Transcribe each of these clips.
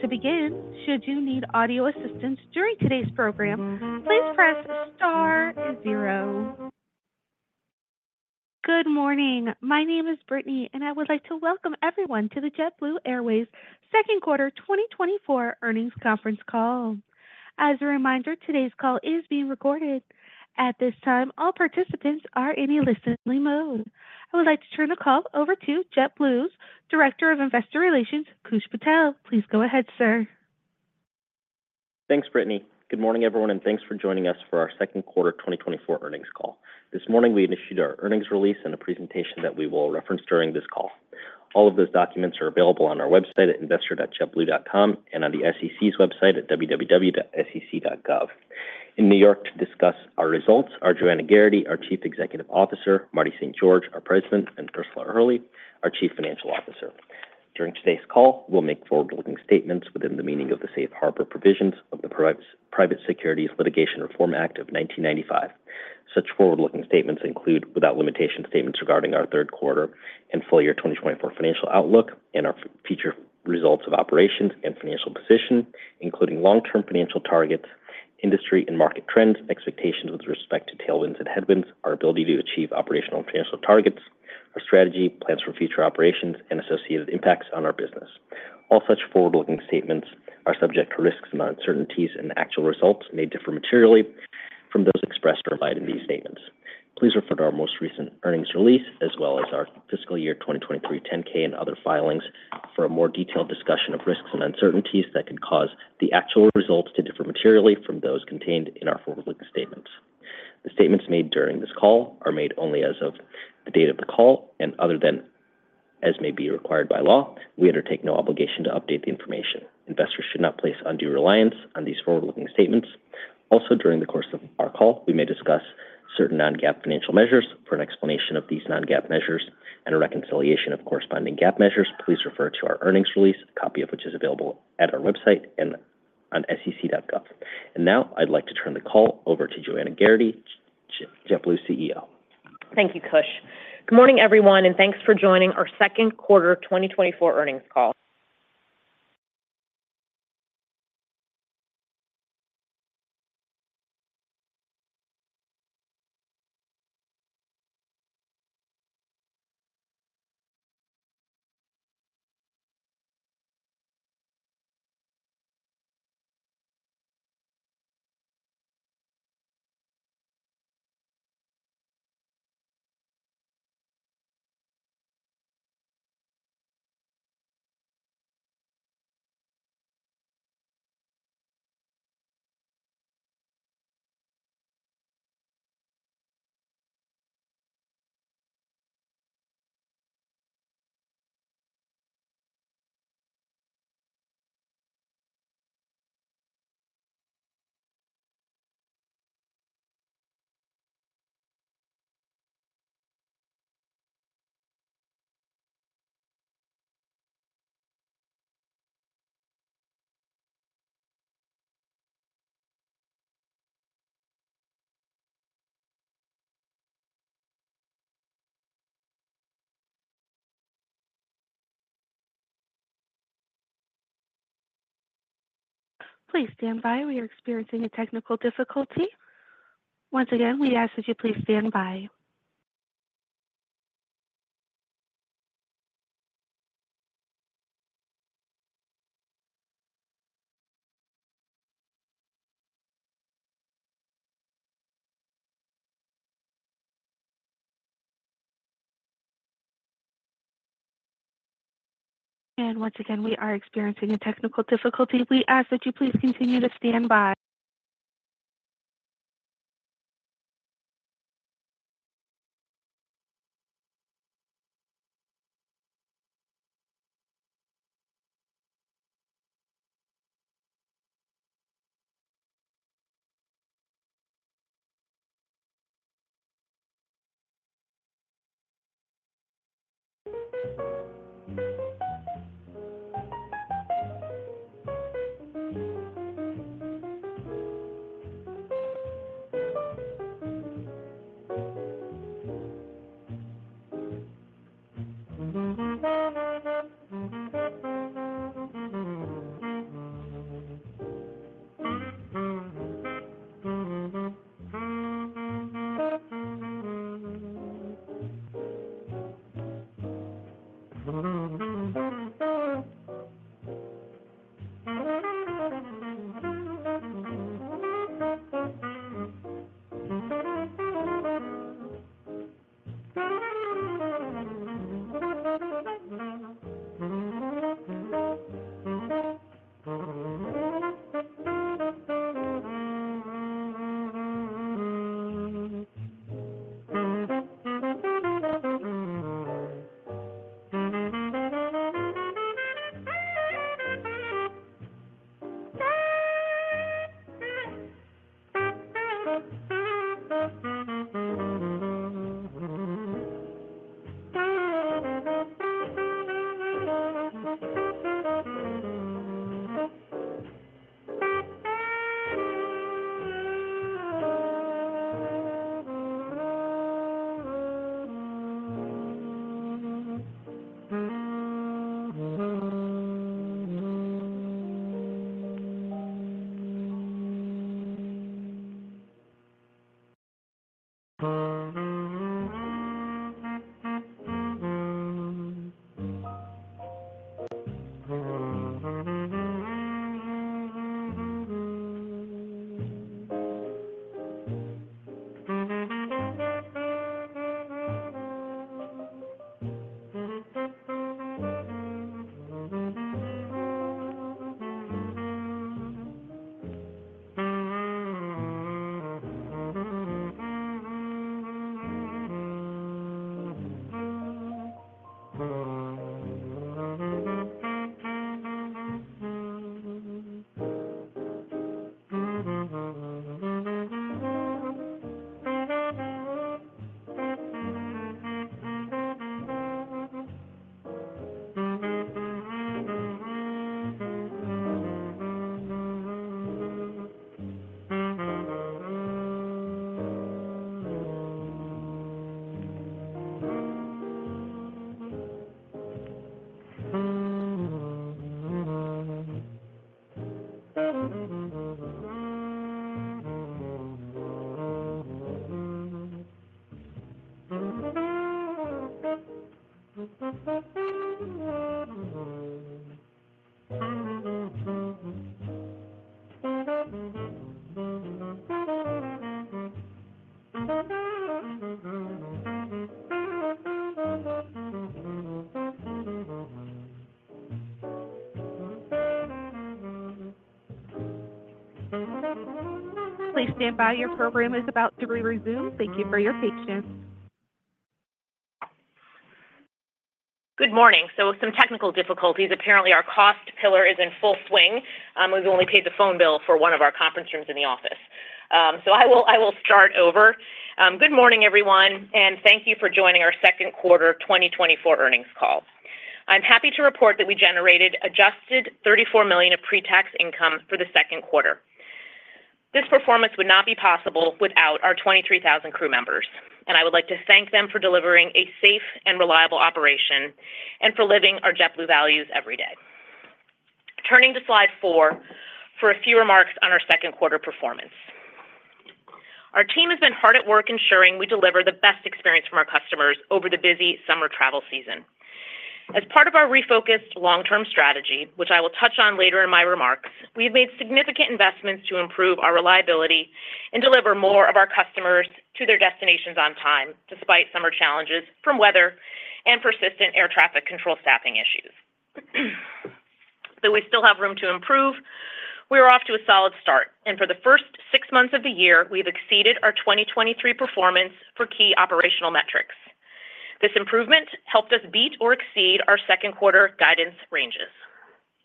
To begin, should you need audio assistance during today's program, please press star and zero. Good morning. My name is Brittany, and I would like to welcome everyone to the JetBlue Airways second quarter 2024 earnings conference call. As a reminder, today's call is being recorded. At this time, all participants are in a listening mode. I would like to turn the call over to JetBlue's Director of Investor Relations, Koosh Patel. Please go ahead, sir. Thanks, Brittany. Good morning, everyone, and thanks for joining us for our second quarter 2024 earnings call. This morning, we initiated our earnings release and a presentation that we will reference during this call. All of those documents are available on our website at investor.jetblue.com and on the SEC's website at www.sec.gov. In New York to discuss our results are Joanna Geraghty, our Chief Executive Officer; Marty St. George, our President; and Ursula Hurley, our Chief Financial Officer. During today's call, we'll make forward-looking statements within the meaning of the safe harbor provisions of the Private Securities Litigation Reform Act of 1995. Such forward-looking statements include without limitation statements regarding our third quarter and full year 2024 financial outlook and our future results of operations and financial position, including long-term financial targets, industry and market trends, expectations with respect to tailwinds and headwinds, our ability to achieve operational financial targets, our strategy, plans for future operations, and associated impacts on our business. All such forward-looking statements are subject to risks and uncertainties, and actual results may differ materially from those expressed or provided in these statements. Please refer to our most recent earnings release as well as our fiscal year 2023 10-K and other filings for a more detailed discussion of risks and uncertainties that can cause the actual results to differ materially from those contained in our forward-looking statements. The statements made during this call are made only as of the date of the call, and other than as may be required by law, we undertake no obligation to update the information. Investors should not place undue reliance on these forward-looking statements. Also, during the course of our call, we may discuss certain non-GAAP financial measures for an explanation of these non-GAAP measures and a reconciliation of corresponding GAAP measures. Please refer to our earnings release, a copy of which is available at our website and on SEC.gov. And now, I'd like to turn the call over to Joanna Geraghty, JetBlue CEO. Thank you, Koosh. Good morning, everyone, and thanks for joining our second quarter 2024 earnings call. Please stand by. We are experiencing a technical difficulty. Once again, we ask that you please stand by. And once again, we are experiencing a technical difficulty. We ask that you please continue to stand by. Please stand by. Your program is about to be resumed. Thank you for your patience. Good morning. So, with some technical difficulties, apparently our cost pillar is in full swing. We've only paid the phone bill for one of our conference rooms in the office. So, I will start over. Good morning, everyone, and thank you for joining our second quarter 2024 earnings call. I'm happy to report that we generated adjusted $34 million of pre-tax income for the second quarter. This performance would not be possible without our 23,000 crew members, and I would like to thank them for delivering a safe and reliable operation and for living our JetBlue values every day. Turning to slide four for a few remarks on our second quarter performance. Our team has been hard at work ensuring we deliver the best experience from our customers over the busy summer travel season. As part of our refocused long-term strategy, which I will touch on later in my remarks, we have made significant investments to improve our reliability and deliver more of our customers to their destinations on time, despite summer challenges from weather and persistent air traffic control staffing issues. Though we still have room to improve, we are off to a solid start, and for the first six months of the year, we have exceeded our 2023 performance for key operational metrics. This improvement helped us beat or exceed our second quarter guidance ranges.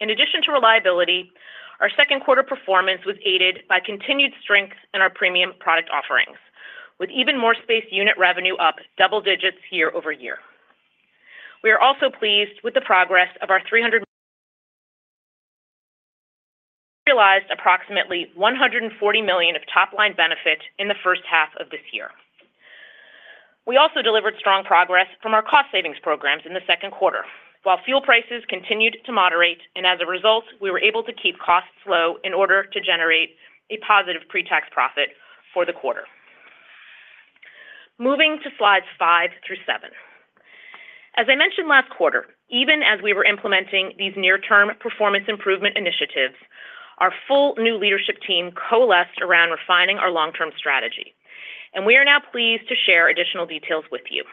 In addition to reliability, our second quarter performance was aided by continued strength in our premium product offerings, with Even More Space unit revenue up double digits year-over-year. We are also pleased with the progress of our $300 million revenue initiatives realized approximately $140 million of top-line benefit in the first half of this year. We also delivered strong progress from our cost savings programs in the second quarter, while fuel prices continued to moderate, and as a result, we were able to keep costs low in order to generate a positive pre-tax profit for the quarter. Moving to slides five through seven. As I mentioned last quarter, even as we were implementing these near-term performance improvement initiatives, our full new leadership team coalesced around refining our long-term strategy, and we are now pleased to share additional details with you,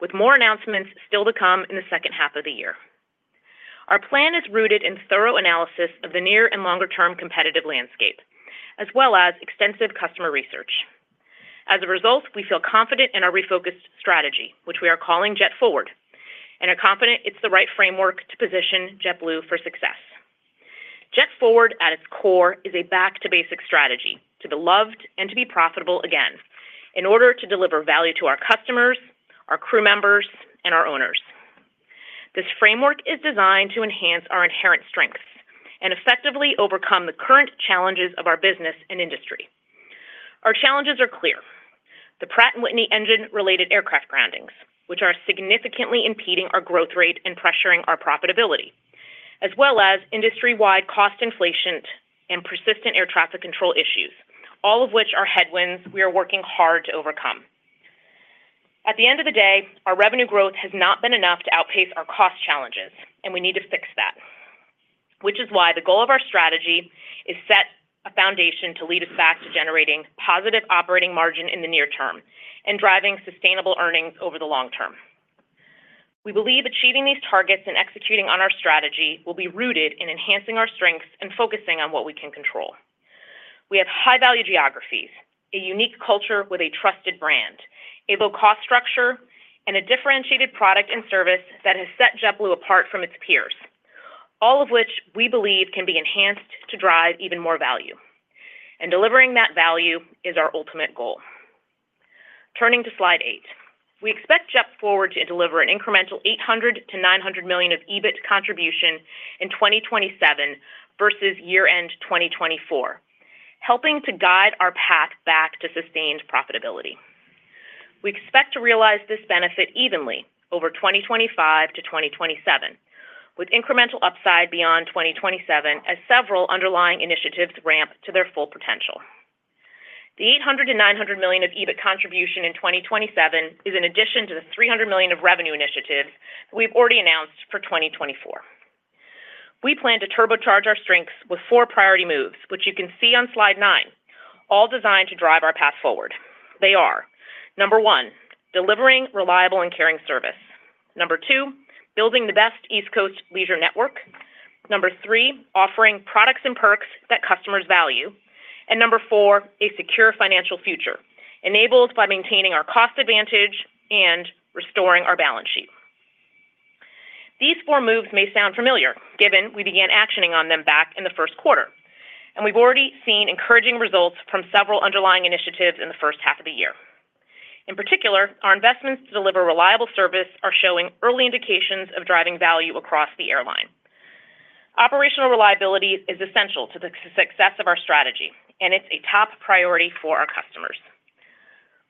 with more announcements still to come in the second half of the year. Our plan is rooted in thorough analysis of the near and longer-term competitive landscape, as well as extensive customer research. As a result, we feel confident in our refocused strategy, which we are calling JetForward, and are confident it's the right framework to position JetBlue for success. JetForward, at its core, is a back-to-basic strategy to be loved and to be profitable again in order to deliver value to our customers, our crew members, and our owners. This framework is designed to enhance our inherent strengths and effectively overcome the current challenges of our business and industry. Our challenges are clear: the Pratt & Whitney engine-related aircraft groundings, which are significantly impeding our growth rate and pressuring our profitability, as well as industry-wide cost inflation and persistent air traffic control issues, all of which are headwinds we are working hard to overcome. At the end of the day, our revenue growth has not been enough to outpace our cost challenges, and we need to fix that, which is why the goal of our strategy is to set a foundation to lead us back to generating positive operating margin in the near term and driving sustainable earnings over the long term. We believe achieving these targets and executing on our strategy will be rooted in enhancing our strengths and focusing on what we can control. We have high-value geographies, a unique culture with a trusted brand, a low-cost structure, and a differentiated product and service that has set JetBlue apart from its peers, all of which we believe can be enhanced to drive even more value. Delivering that value is our ultimate goal. Turning to slide eight, we expect JetForward to deliver an incremental $800 million-$900 million of EBIT contribution in 2027 versus year-end 2024, helping to guide our path back to sustained profitability. We expect to realize this benefit evenly over 2025 to 2027, with incremental upside beyond 2027 as several underlying initiatives ramp to their full potential. The $800 million-$900 million of EBIT contribution in 2027 is in addition to the $300 million of revenue initiatives we've already announced for 2024. We plan to turbocharge our strengths with four priority moves, which you can see on slide nine, all designed to drive our path forward. They are: number one, delivering reliable and caring service, number two, building the best East Coast leisure network, number three, offering products and perks that customers value, and number four, a secure financial future enabled by maintaining our cost advantage and restoring our balance sheet. These four moves may sound familiar, given we began actioning on them back in the first quarter, and we've already seen encouraging results from several underlying initiatives in the first half of the year. In particular, our investments to deliver reliable service are showing early indications of driving value across the airline. Operational reliability is essential to the success of our strategy, and it's a top priority for our customers.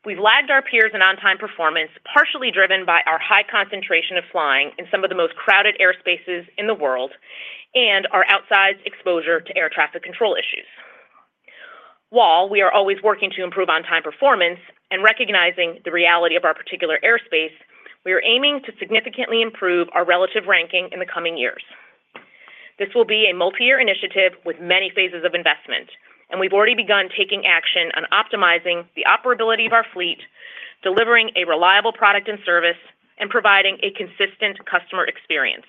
We've lagged our peers in on-time performance, partially driven by our high concentration of flying in some of the most crowded airspaces in the world and our outsized exposure to air traffic control issues. While we are always working to improve on-time performance and recognizing the reality of our particular airspace, we are aiming to significantly improve our relative ranking in the coming years. This will be a multi-year initiative with many phases of investment, and we've already begun taking action on optimizing the operability of our fleet, delivering a reliable product and service, and providing a consistent customer experience.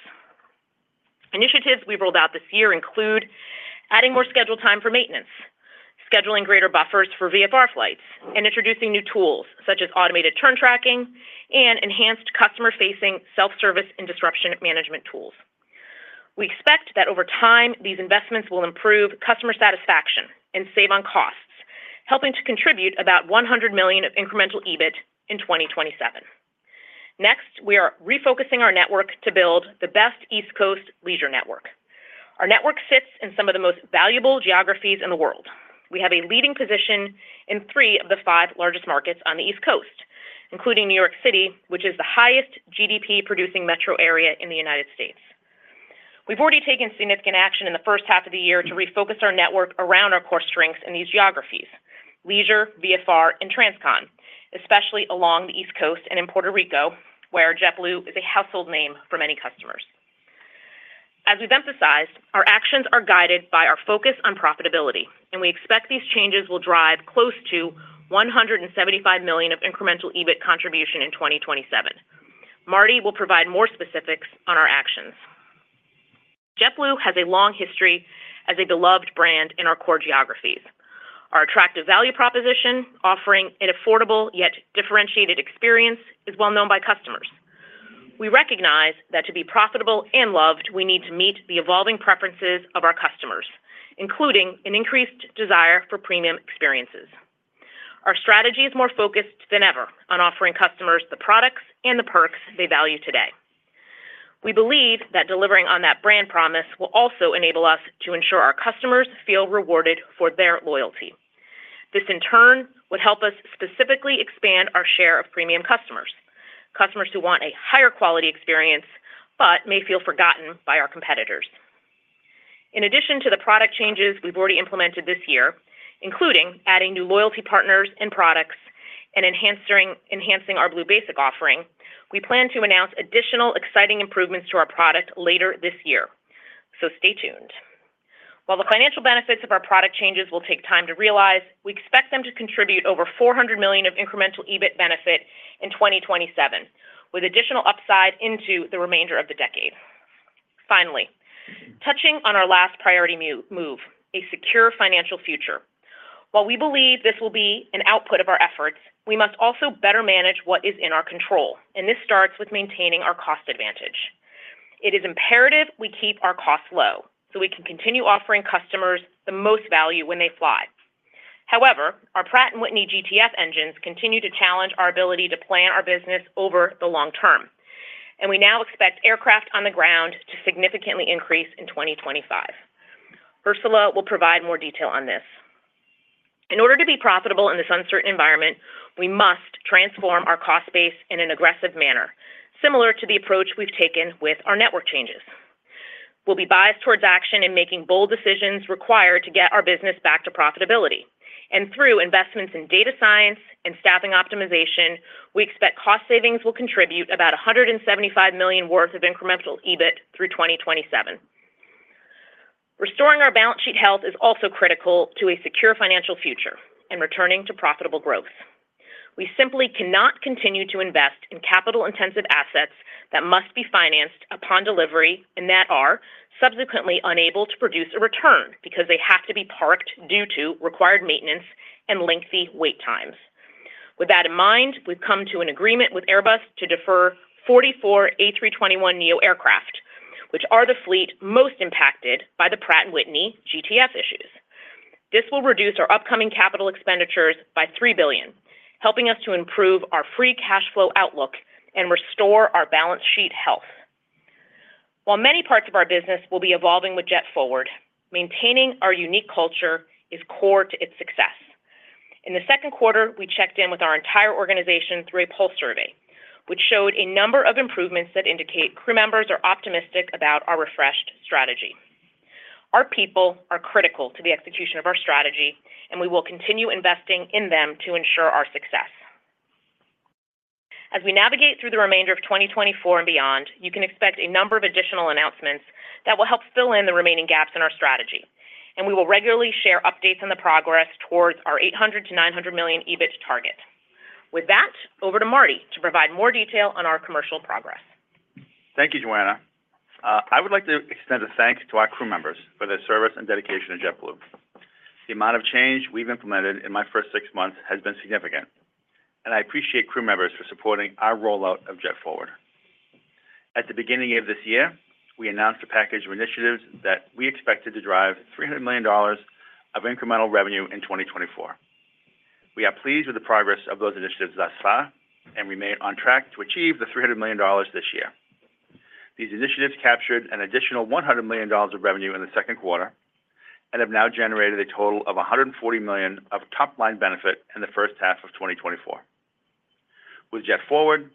Initiatives we've rolled out this year include adding more scheduled time for maintenance, scheduling greater buffers for VFR flights, and introducing new tools such as automated turn tracking and enhanced customer-facing self-service and disruption management tools. We expect that over time, these investments will improve customer satisfaction and save on costs, helping to contribute about $100 million of incremental EBIT in 2027. Next, we are refocusing our network to build the best East Coast leisure network. Our network sits in some of the most valuable geographies in the world. We have a leading position in three of the five largest markets on the East Coast, including New York City, which is the highest GDP-producing metro area in the United States. We've already taken significant action in the first half of the year to refocus our network around our core strengths in these geographies: leisure, VFR, and transcon, especially along the East Coast and in Puerto Rico, where JetBlue is a household name for many customers. As we've emphasized, our actions are guided by our focus on profitability, and we expect these changes will drive close to $175 million of incremental EBIT contribution in 2027. Marty will provide more specifics on our actions. JetBlue has a long history as a beloved brand in our core geographies. Our attractive value proposition, offering an affordable yet differentiated experience, is well known by customers. We recognize that to be profitable and loved, we need to meet the evolving preferences of our customers, including an increased desire for premium experiences. Our strategy is more focused than ever on offering customers the products and the perks they value today. We believe that delivering on that brand promise will also enable us to ensure our customers feel rewarded for their loyalty. This, in turn, would help us specifically expand our share of premium customers, customers who want a higher quality experience but may feel forgotten by our competitors. In addition to the product changes we've already implemented this year, including adding new loyalty partners and products and enhancing our Blue Basic offering, we plan to announce additional exciting improvements to our product later this year. So, stay tuned. While the financial benefits of our product changes will take time to realize, we expect them to contribute over $400 million of incremental EBIT benefit in 2027, with additional upside into the remainder of the decade. Finally, touching on our last priority move, a secure financial future. While we believe this will be an output of our efforts, we must also better manage what is in our control, and this starts with maintaining our cost advantage. It is imperative we keep our costs low so we can continue offering customers the most value when they fly. However, our Pratt & Whitney GTF engines continue to challenge our ability to plan our business over the long term, and we now expect aircraft on the ground to significantly increase in 2025. Ursula will provide more detail on this. In order to be profitable in this uncertain environment, we must transform our cost base in an aggressive manner, similar to the approach we've taken with our network changes. We'll be biased towards action in making bold decisions required to get our business back to profitability, and through investments in data science and staffing optimization, we expect cost savings will contribute about $175 million worth of incremental EBIT through 2027. Restoring our balance sheet health is also critical to a secure financial future and returning to profitable growth. We simply cannot continue to invest in capital-intensive assets that must be financed upon delivery and that are subsequently unable to produce a return because they have to be parked due to required maintenance and lengthy wait times. With that in mind, we've come to an agreement with Airbus to defer 44 A321neo aircraft, which are the fleet most impacted by the Pratt & Whitney GTF issues. This will reduce our upcoming capital expenditures by $3 billion, helping us to improve our free cash flow outlook and restore our balance sheet health. While many parts of our business will be evolving with JetForward, maintaining our unique culture is core to its success. In the second quarter, we checked in with our entire organization through a pulse survey, which showed a number of improvements that indicate crew members are optimistic about our refreshed strategy. Our people are critical to the execution of our strategy, and we will continue investing in them to ensure our success. As we navigate through the remainder of 2024 and beyond, you can expect a number of additional announcements that will help fill in the remaining gaps in our strategy, and we will regularly share updates on the progress towards our $800 million-$900 million EBIT target. With that, over to Marty to provide more detail on our commercial progress. Thank you, Joanna. I would like to extend a thanks to our crew members for their service and dedication to JetBlue. The amount of change we've implemented in my first six months has been significant, and I appreciate crew members for supporting our rollout of JetForward. At the beginning of this year, we announced a package of initiatives that we expected to drive $300 million of incremental revenue in 2024. We are pleased with the progress of those initiatives thus far, and we are on track to achieve the $300 million this year. These initiatives captured an additional $100 million of revenue in the second quarter and have now generated a total of $140 million of top-line benefit in the first half of 2024. With JetForward,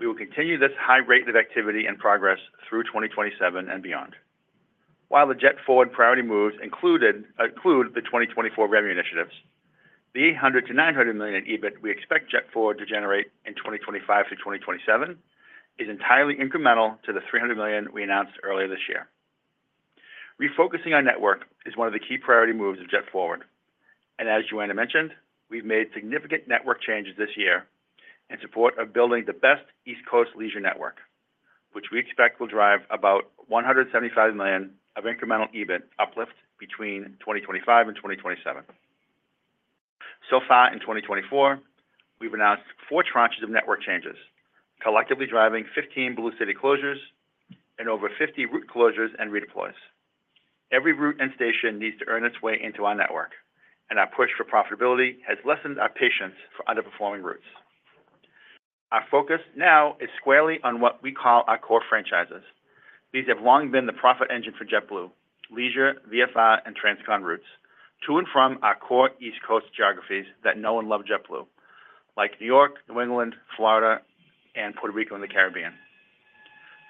we will continue this high rate of activity and progress through 2027 and beyond. While the JetForward priority moves include the 2024 revenue initiatives, the $800 million-$900 million EBIT we expect JetForward to generate in 2025 through 2027 is entirely incremental to the $300 million we announced earlier this year. Refocusing our network is one of the key priority moves of JetForward, and as Joanna mentioned, we've made significant network changes this year in support of building the best East Coast leisure network, which we expect will drive about $175 million of incremental EBIT uplift between 2025 and 2027. So far in 2024, we've announced four tranches of network changes, collectively driving 15 Blue City closures and over 50 route closures and redeploys. Every route and station needs to earn its way into our network, and our push for profitability has lessened our patience for underperforming routes. Our focus now is squarely on what we call our core franchises. These have long been the profit engine for JetBlue: leisure, VFR, and transcon routes to and from our core East Coast geographies that know and love JetBlue, like New York, New England, Florida, and Puerto Rico in the Caribbean.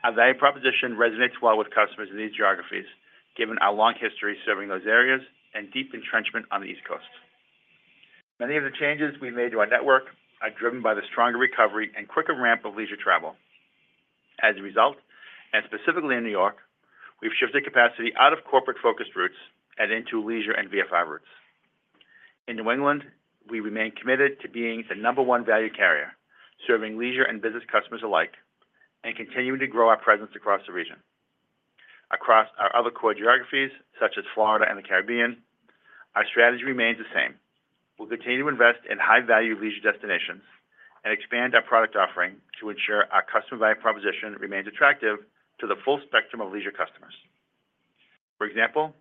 Our value proposition resonates well with customers in these geographies, given our long history serving those areas and deep entrenchment on the East Coast. Many of the changes we've made to our network are driven by the stronger recovery and quicker ramp of leisure travel. As a result, and specifically in New York, we've shifted capacity out of corporate-focused routes and into leisure and VFR routes. In New England, we remain committed to being the number one value carrier, serving leisure and business customers alike and continuing to grow our presence across the region. Across our other core geographies, such as Florida and the Caribbean, our strategy remains the same. We'll continue to invest in high-value leisure destinations and expand our product offering to ensure our customer value proposition remains attractive to the full spectrum of leisure customers. For example,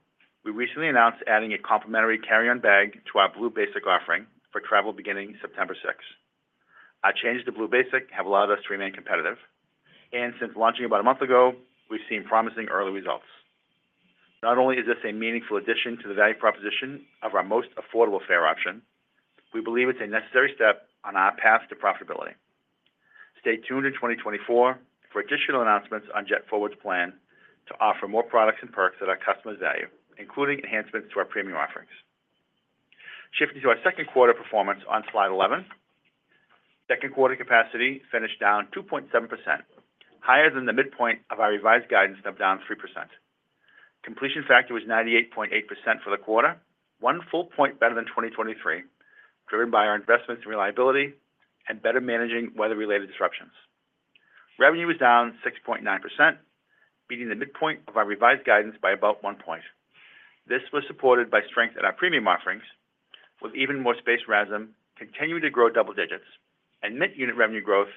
we recently announced adding a complimentary carry-on bag to our Blue Basic offering for travel beginning September 6. Our changes to Blue Basic have allowed us to remain competitive, and since launching about a month ago, we've seen promising early results. Not only is this a meaningful addition to the value proposition of our most affordable fare option, we believe it's a necessary step on our path to profitability. Stay tuned in 2024 for additional announcements on JetForward's plan to offer more products and perks that our customers value, including enhancements to our premium offerings. Shifting to our second quarter performance on slide 11, second quarter capacity finished down 2.7%, higher than the midpoint of our revised guidance of down 3%. Completion factor was 98.8% for the quarter, one full point better than 2023, driven by our investments in reliability and better managing weather-related disruptions. Revenue was down 6.9%, beating the midpoint of our revised guidance by about one point. This was supported by strength in our premium offerings, with Even More Space revenue continuing to grow double digits, and Mint unit revenue growth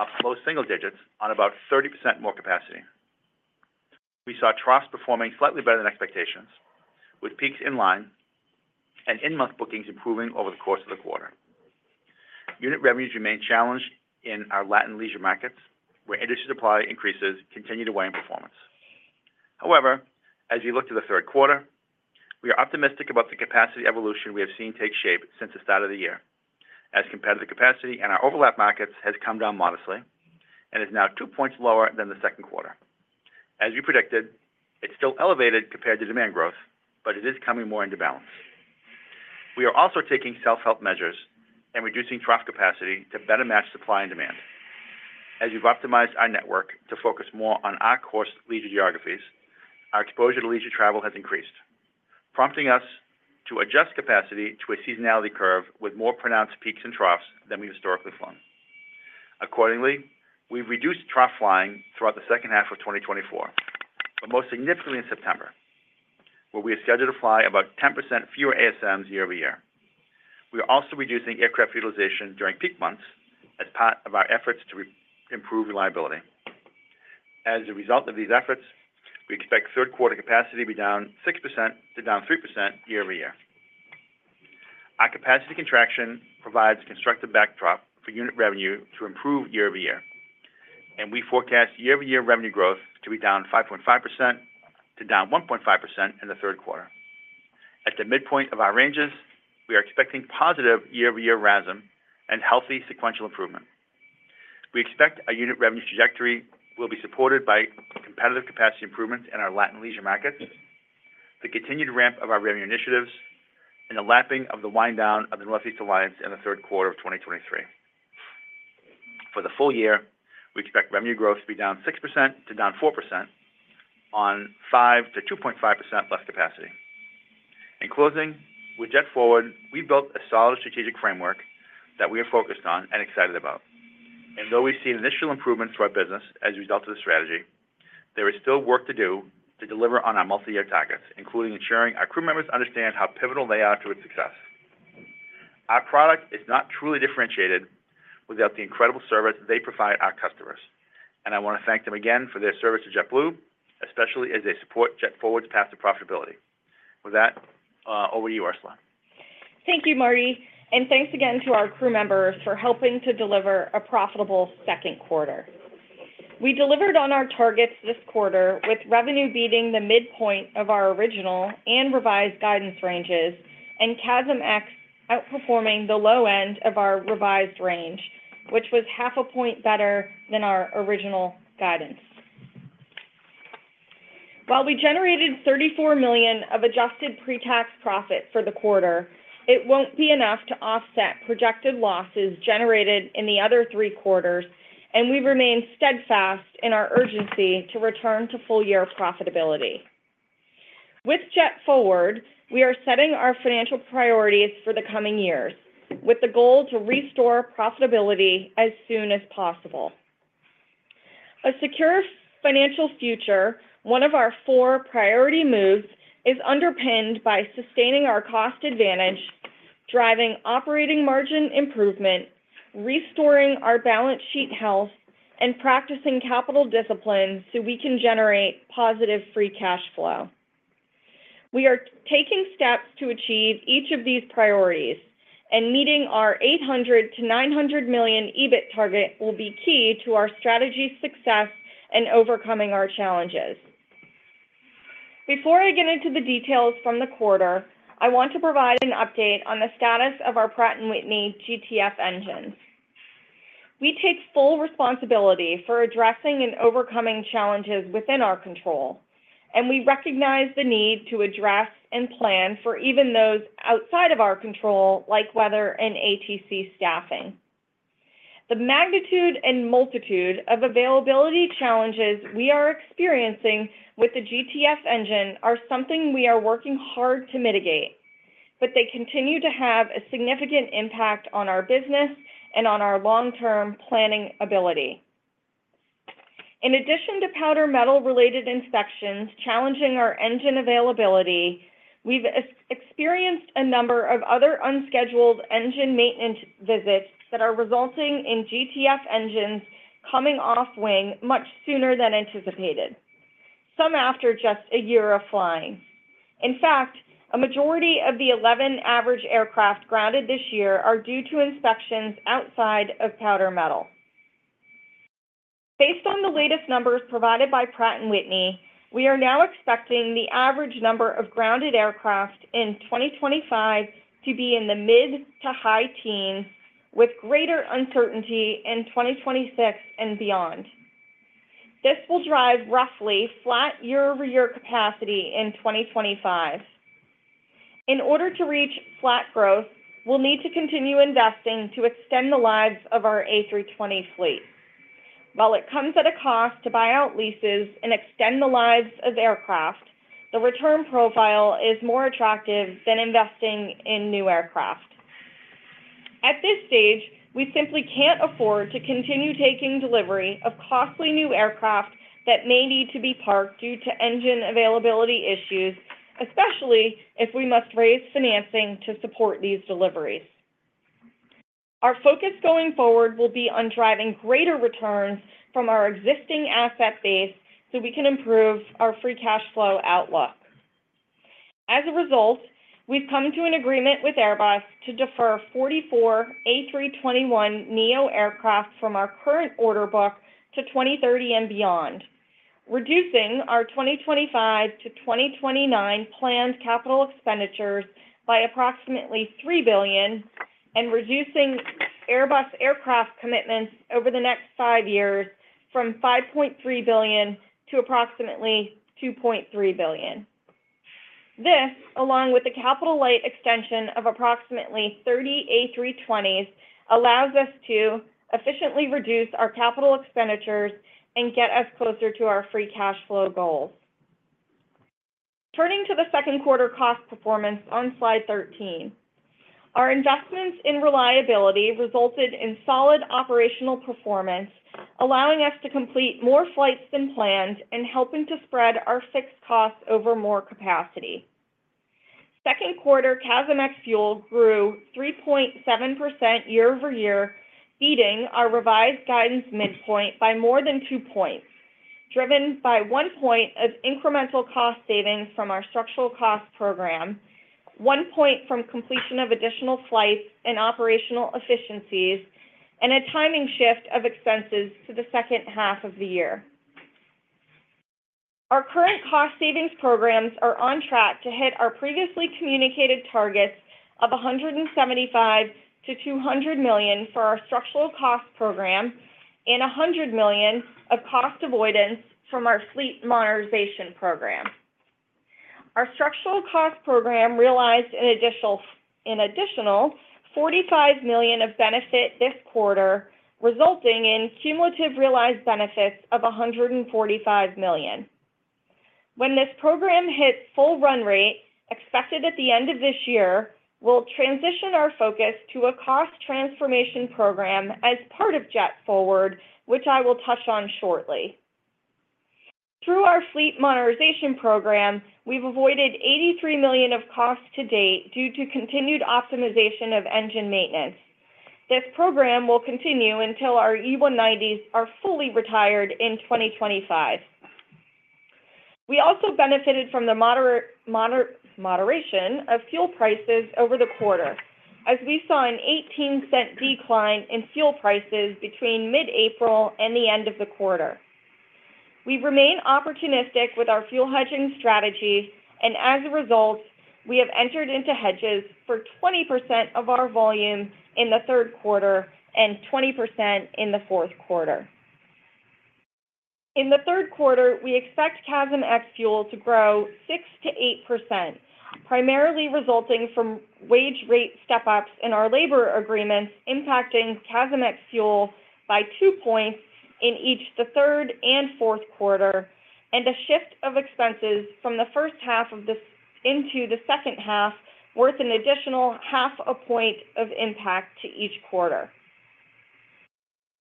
up close single digits on about 30% more capacity. We saw yields performing slightly better than expectations, with yields in line and in-month bookings improving over the course of the quarter. Unit revenues remain challenged in our Latin leisure markets, where industry supply increases continue to weigh on performance. However, as we look to the third quarter, we are optimistic about the capacity evolution we have seen take shape since the start of the year, as competitive capacity in our overlap markets has come down modestly and is now two points lower than the second quarter. As we predicted, it's still elevated compared to demand growth, but it is coming more into balance. We are also taking self-help measures and reducing transcon capacity to better match supply and demand. As we've optimized our network to focus more on our core leisure geographies, our exposure to leisure travel has increased, prompting us to adjust capacity to a seasonality curve with more pronounced peaks and troughs than we've historically flown. Accordingly, we've reduced trough flying throughout the second half of 2024, but most significantly in September, where we have scheduled to fly about 10% fewer ASMs year-over-year. We are also reducing aircraft utilization during peak months as part of our efforts to improve reliability. As a result of these efforts, we expect third quarter capacity to be down -6%-3% year-over-year. Our capacity contraction provides a constructive backdrop for unit revenue to improve year-over-year, and we forecast year-over-year revenue growth to be down -5.5%-1.5% in the third quarter. At the midpoint of our ranges, we are expecting positive year-over-year RASM and healthy sequential improvement. We expect our unit revenue trajectory will be supported by competitive capacity improvements in our Latin leisure markets, the continued ramp of our revenue initiatives, and the lapping of the wind down of the Northeast Alliance in the third quarter of 2023. For the full year, we expect revenue growth to be down -6%-4% on -5%-2.5% less capacity. In closing, with JetForward, we've built a solid strategic framework that we are focused on and excited about. And though we've seen initial improvements to our business as a result of the strategy, there is still work to do to deliver on our multi-year targets, including ensuring our crew members understand how pivotal they are to its success. Our product is not truly differentiated without the incredible service they provide our customers, and I want to thank them again for their service to JetBlue, especially as they support JetForward's path to profitability. With that, over to you, Ursula. Thank you, Marty, and thanks again to our crew members for helping to deliver a profitable second quarter. We delivered on our targets this quarter, with revenue beating the midpoint of our original and revised guidance ranges, and CASM ex-Fuel outperforming the low end of our revised range, which was half a point better than our original guidance. While we generated $34 million of adjusted pre-tax profit for the quarter, it won't be enough to offset projected losses generated in the other three quarters, and we remain steadfast in our urgency to return to full-year profitability. With JetForward, we are setting our financial priorities for the coming years, with the goal to restore profitability as soon as possible. A secure financial future, one of our four priority moves, is underpinned by sustaining our cost advantage, driving operating margin improvement, restoring our balance sheet health, and practicing capital discipline so we can generate positive free cash flow. We are taking steps to achieve each of these priorities, and meeting our $800 million-$900 million EBIT target will be key to our strategy's success in overcoming our challenges. Before I get into the details from the quarter, I want to provide an update on the status of our Pratt & Whitney GTF engines. We take full responsibility for addressing and overcoming challenges within our control, and we recognize the need to address and plan for even those outside of our control, like weather and ATC staffing. The magnitude and multitude of availability challenges we are experiencing with the GTF engine are something we are working hard to mitigate, but they continue to have a significant impact on our business and on our long-term planning ability. In addition to powder metal-related inspections challenging our engine availability, we've experienced a number of other unscheduled engine maintenance visits that are resulting in GTF engines coming off wing much sooner than anticipated, some after just a year of flying. In fact, a majority of the 11 average aircraft grounded this year are due to inspections outside of powder metal. Based on the latest numbers provided by Pratt & Whitney, we are now expecting the average number of grounded aircraft in 2025 to be in the mid- to high teens, with greater uncertainty in 2026 and beyond. This will drive roughly flat year-over-year capacity in 2025. In order to reach flat growth, we'll need to continue investing to extend the lives of our A320 fleet. While it comes at a cost to buy out leases and extend the lives of aircraft, the return profile is more attractive than investing in new aircraft. At this stage, we simply can't afford to continue taking delivery of costly new aircraft that may need to be parked due to engine availability issues, especially if we must raise financing to support these deliveries. Our focus going forward will be on driving greater returns from our existing asset base so we can improve our free cash flow outlook. As a result, we've come to an agreement with Airbus to defer 44 A321neo aircraft from our current order book to 2030 and beyond, reducing our 2025-2029 planned capital expenditures by approximately $3 billion and reducing Airbus aircraft commitments over the next five years from $5.3 billion to approximately $2.3 billion. This, along with the capital-light extension of approximately 30 A320s, allows us to efficiently reduce our capital expenditures and get us closer to our free cash flow goals. Turning to the second quarter cost performance on slide 13, our investments in reliability resulted in solid operational performance, allowing us to complete more flights than planned and helping to spread our fixed costs over more capacity. Second quarter, CASM ex-Fuel grew 3.7% year-over-year, beating our revised guidance midpoint by more than two points, driven by one point of incremental cost savings from our structural cost program, one point from completion of additional flights and operational efficiencies, and a timing shift of expenses to the second half of the year. Our current cost savings programs are on track to hit our previously communicated targets of $175-$200 million for our structural cost program and $100 million of cost avoidance from our fleet modernization program. Our structural cost program realized an additional $45 million of benefit this quarter, resulting in cumulative realized benefits of $145 million. When this program hits full run rate, expected at the end of this year, we'll transition our focus to a cost transformation program as part of JetForward, which I will touch on shortly. Through our fleet modernization program, we've avoided $83 million of costs to date due to continued optimization of engine maintenance. This program will continue until our E190s are fully retired in 2025. We also benefited from the moderation of fuel prices over the quarter, as we saw a $0.18 decline in fuel prices between mid-April and the end of the quarter. We remain opportunistic with our fuel hedging strategy, and as a result, we have entered into hedges for 20% of our volume in the third quarter and 20% in the fourth quarter. In the third quarter, we expect CASM ex-Fuel to grow 6%-8%, primarily resulting from wage rate step-ups in our labor agreements impacting CASM ex-Fuel by two points in each the third and fourth quarter, and a shift of expenses from the first half into the second half worth an additional half a point of impact to each quarter.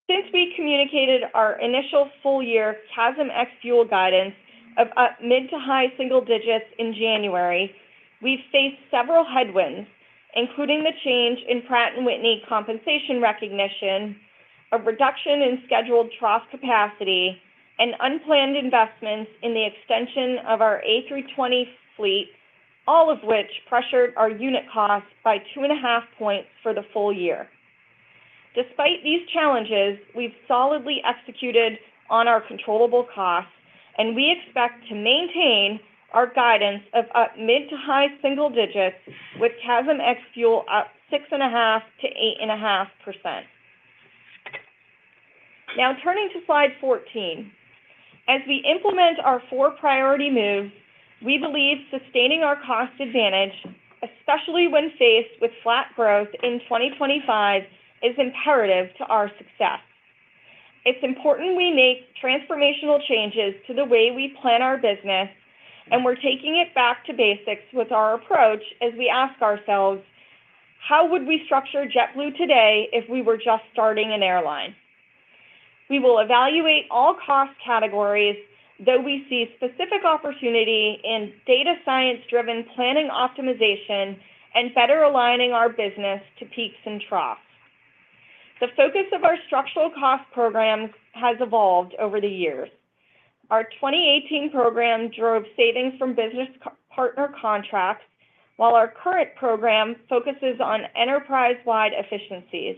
Since we communicated our initial full-year CASM ex-Fuel guidance of mid- to high-single-digits in January, we've faced several headwinds, including the change in Pratt & Whitney compensation recognition, a reduction in scheduled trough capacity, and unplanned investments in the extension of our A320 fleet, all of which pressured our unit costs by 2.5 points for the full year. Despite these challenges, we've solidly executed on our controllable costs, and we expect to maintain our guidance of mid- to high-single-digits with CASM ex-Fuel up 6.5%-8.5%. Now, turning to slide 14, as we implement our four priority moves, we believe sustaining our cost advantage, especially when faced with flat growth in 2025, is imperative to our success. It's important we make transformational changes to the way we plan our business, and we're taking it back to basics with our approach as we ask ourselves, how would we structure JetBlue today if we were just starting an airline? We will evaluate all cost categories that we see specific opportunity in data science-driven planning optimization and better aligning our business to peaks and troughs. The focus of our structural cost programs has evolved over the years. Our 2018 program drove savings from business partner contracts, while our current program focuses on enterprise-wide efficiencies.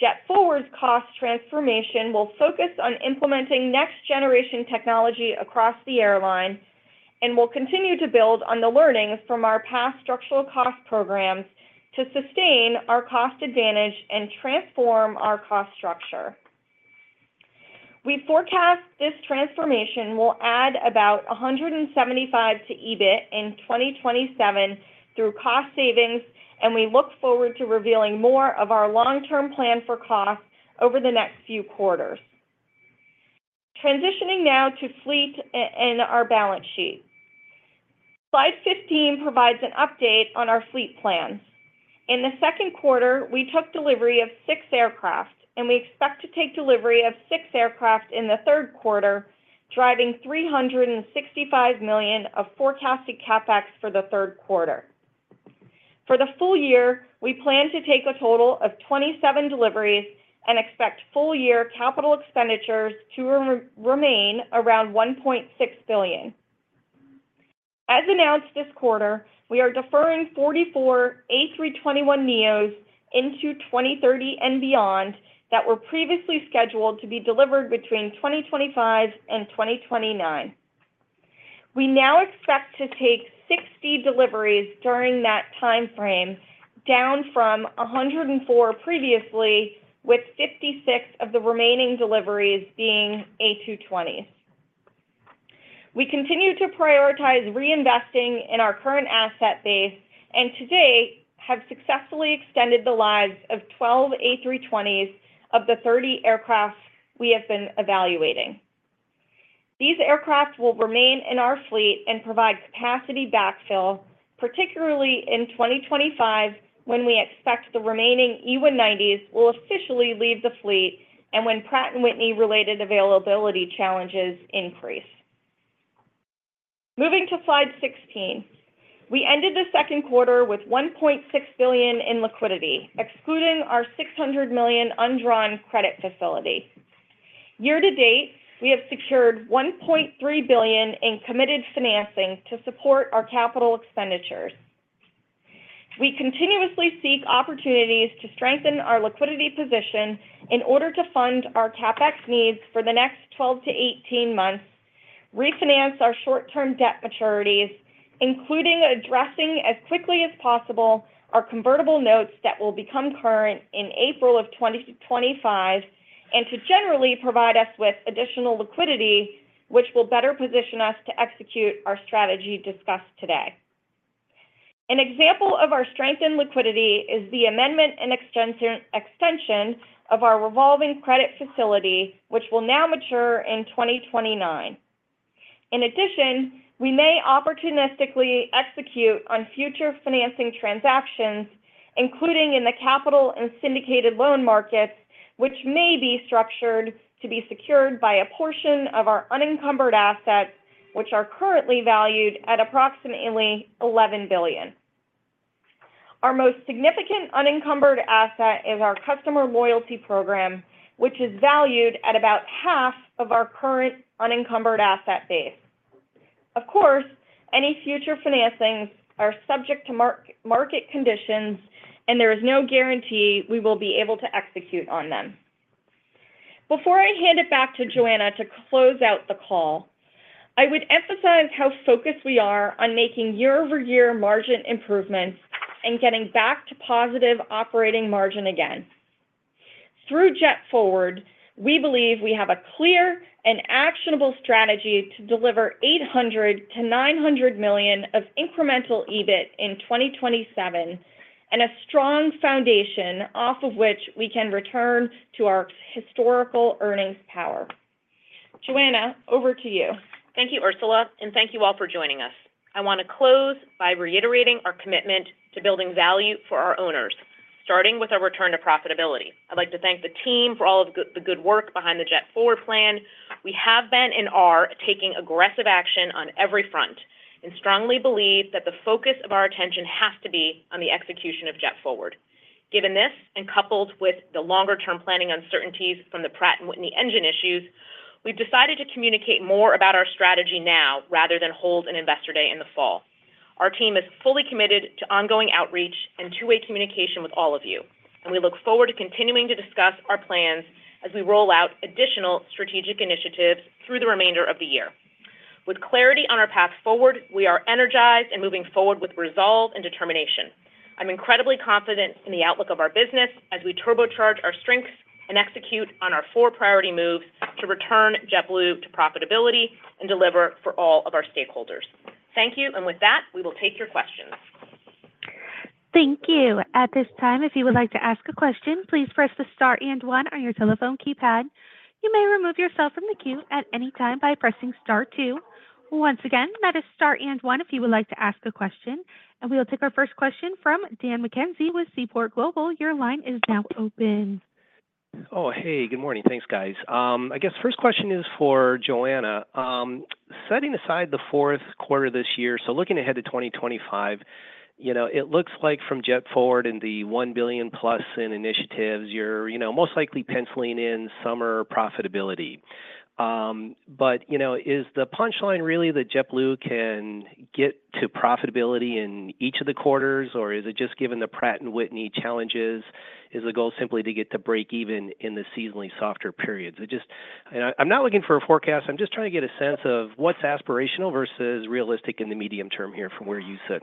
JetForward's cost transformation will focus on implementing next-generation technology across the airline and will continue to build on the learnings from our past structural cost programs to sustain our cost advantage and transform our cost structure. We forecast this transformation will add about $175 to EBIT in 2027 through cost savings, and we look forward to revealing more of our long-term plan for costs over the next few quarters. Transitioning now to fleet and our balance sheet. Slide 15 provides an update on our fleet plan. In the second quarter, we took delivery of six aircraft, and we expect to take delivery of six aircraft in the third quarter, driving $365 million of forecasted CapEx for the third quarter. For the full year, we plan to take a total of 27 deliveries and expect full-year capital expenditures to remain around $1.6 billion. As announced this quarter, we are deferring 44 A321neos into 2030 and beyond that were previously scheduled to be delivered between 2025 and 2029. We now expect to take 60 deliveries during that timeframe, down from 104 previously, with 56 of the remaining deliveries being A220s. We continue to prioritize reinvesting in our current asset base and today have successfully extended the lives of 12 A320s of the 30 aircraft we have been evaluating. These aircraft will remain in our fleet and provide capacity backfill, particularly in 2025 when we expect the remaining E190s will officially leave the fleet and when Pratt & Whitney-related availability challenges increase. Moving to slide 16, we ended the second quarter with $1.6 billion in liquidity, excluding our $600 million undrawn credit facility. Year to date, we have secured $1.3 billion in committed financing to support our capital expenditures. We continuously seek opportunities to strengthen our liquidity position in order to fund our CapEx needs for the next 12-18 months, refinance our short-term debt maturities, including addressing as quickly as possible our convertible notes that will become current in April of 2025, and to generally provide us with additional liquidity, which will better position us to execute our strategy discussed today. An example of our strength in liquidity is the amendment and extension of our revolving credit facility, which will now mature in 2029. In addition, we may opportunistically execute on future financing transactions, including in the capital and syndicated loan markets, which may be structured to be secured by a portion of our unencumbered assets, which are currently valued at approximately $11 billion. Our most significant unencumbered asset is our customer loyalty program, which is valued at about half of our current unencumbered asset base. Of course, any future financings are subject to market conditions, and there is no guarantee we will be able to execute on them. Before I hand it back to Joanna to close out the call, I would emphasize how focused we are on making year-over-year margin improvements and getting back to positive operating margin again. Through JetForward, we believe we have a clear and actionable strategy to deliver $800-$900 million of incremental EBIT in 2027 and a strong foundation off of which we can return to our historical earnings power. Joanna, over to you. Thank you, Ursula, and thank you all for joining us. I want to close by reiterating our commitment to building value for our owners, starting with our return to profitability. I'd like to thank the team for all of the good work behind the JetForward plan. We have been and are taking aggressive action on every front and strongly believe that the focus of our attention has to be on the execution of JetForward. Given this and coupled with the longer-term planning uncertainties from the Pratt & Whitney engine issues, we've decided to communicate more about our strategy now rather than hold an investor day in the fall. Our team is fully committed to ongoing outreach and two-way communication with all of you, and we look forward to continuing to discuss our plans as we roll out additional strategic initiatives through the remainder of the year. With clarity on our path forward, we are energized and moving forward with resolve and determination. I'm incredibly confident in the outlook of our business as we turbocharge our strengths and execute on our four priority moves to return JetBlue to profitability and deliver for all of our stakeholders. Thank you, and with that, we will take your questions. Thank you. At this time, if you would like to ask a question, please press the star and one on your telephone keypad. You may remove yourself from the queue at any time by pressing star two. Once again, that is Star and 1 if you would like to ask a question, and we'll take our first question from Dan McKenzie with Seaport Global. Your line is now open. Oh, hey, good morning. Thanks, guys. I guess first question is for Joanna. Setting aside the fourth quarter this year, so looking ahead to 2025, it looks like from JetForward and the $1 billion-plus in initiatives, you're most likely penciling in summer profitability. But is the punchline really that JetBlue can get to profitability in each of the quarters, or is it just given the Pratt & Whitney challenges? Is the goal simply to get to break even in the seasonally softer periods? I'm not looking for a forecast. I'm just trying to get a sense of what's aspirational versus realistic in the medium term here from where you sit.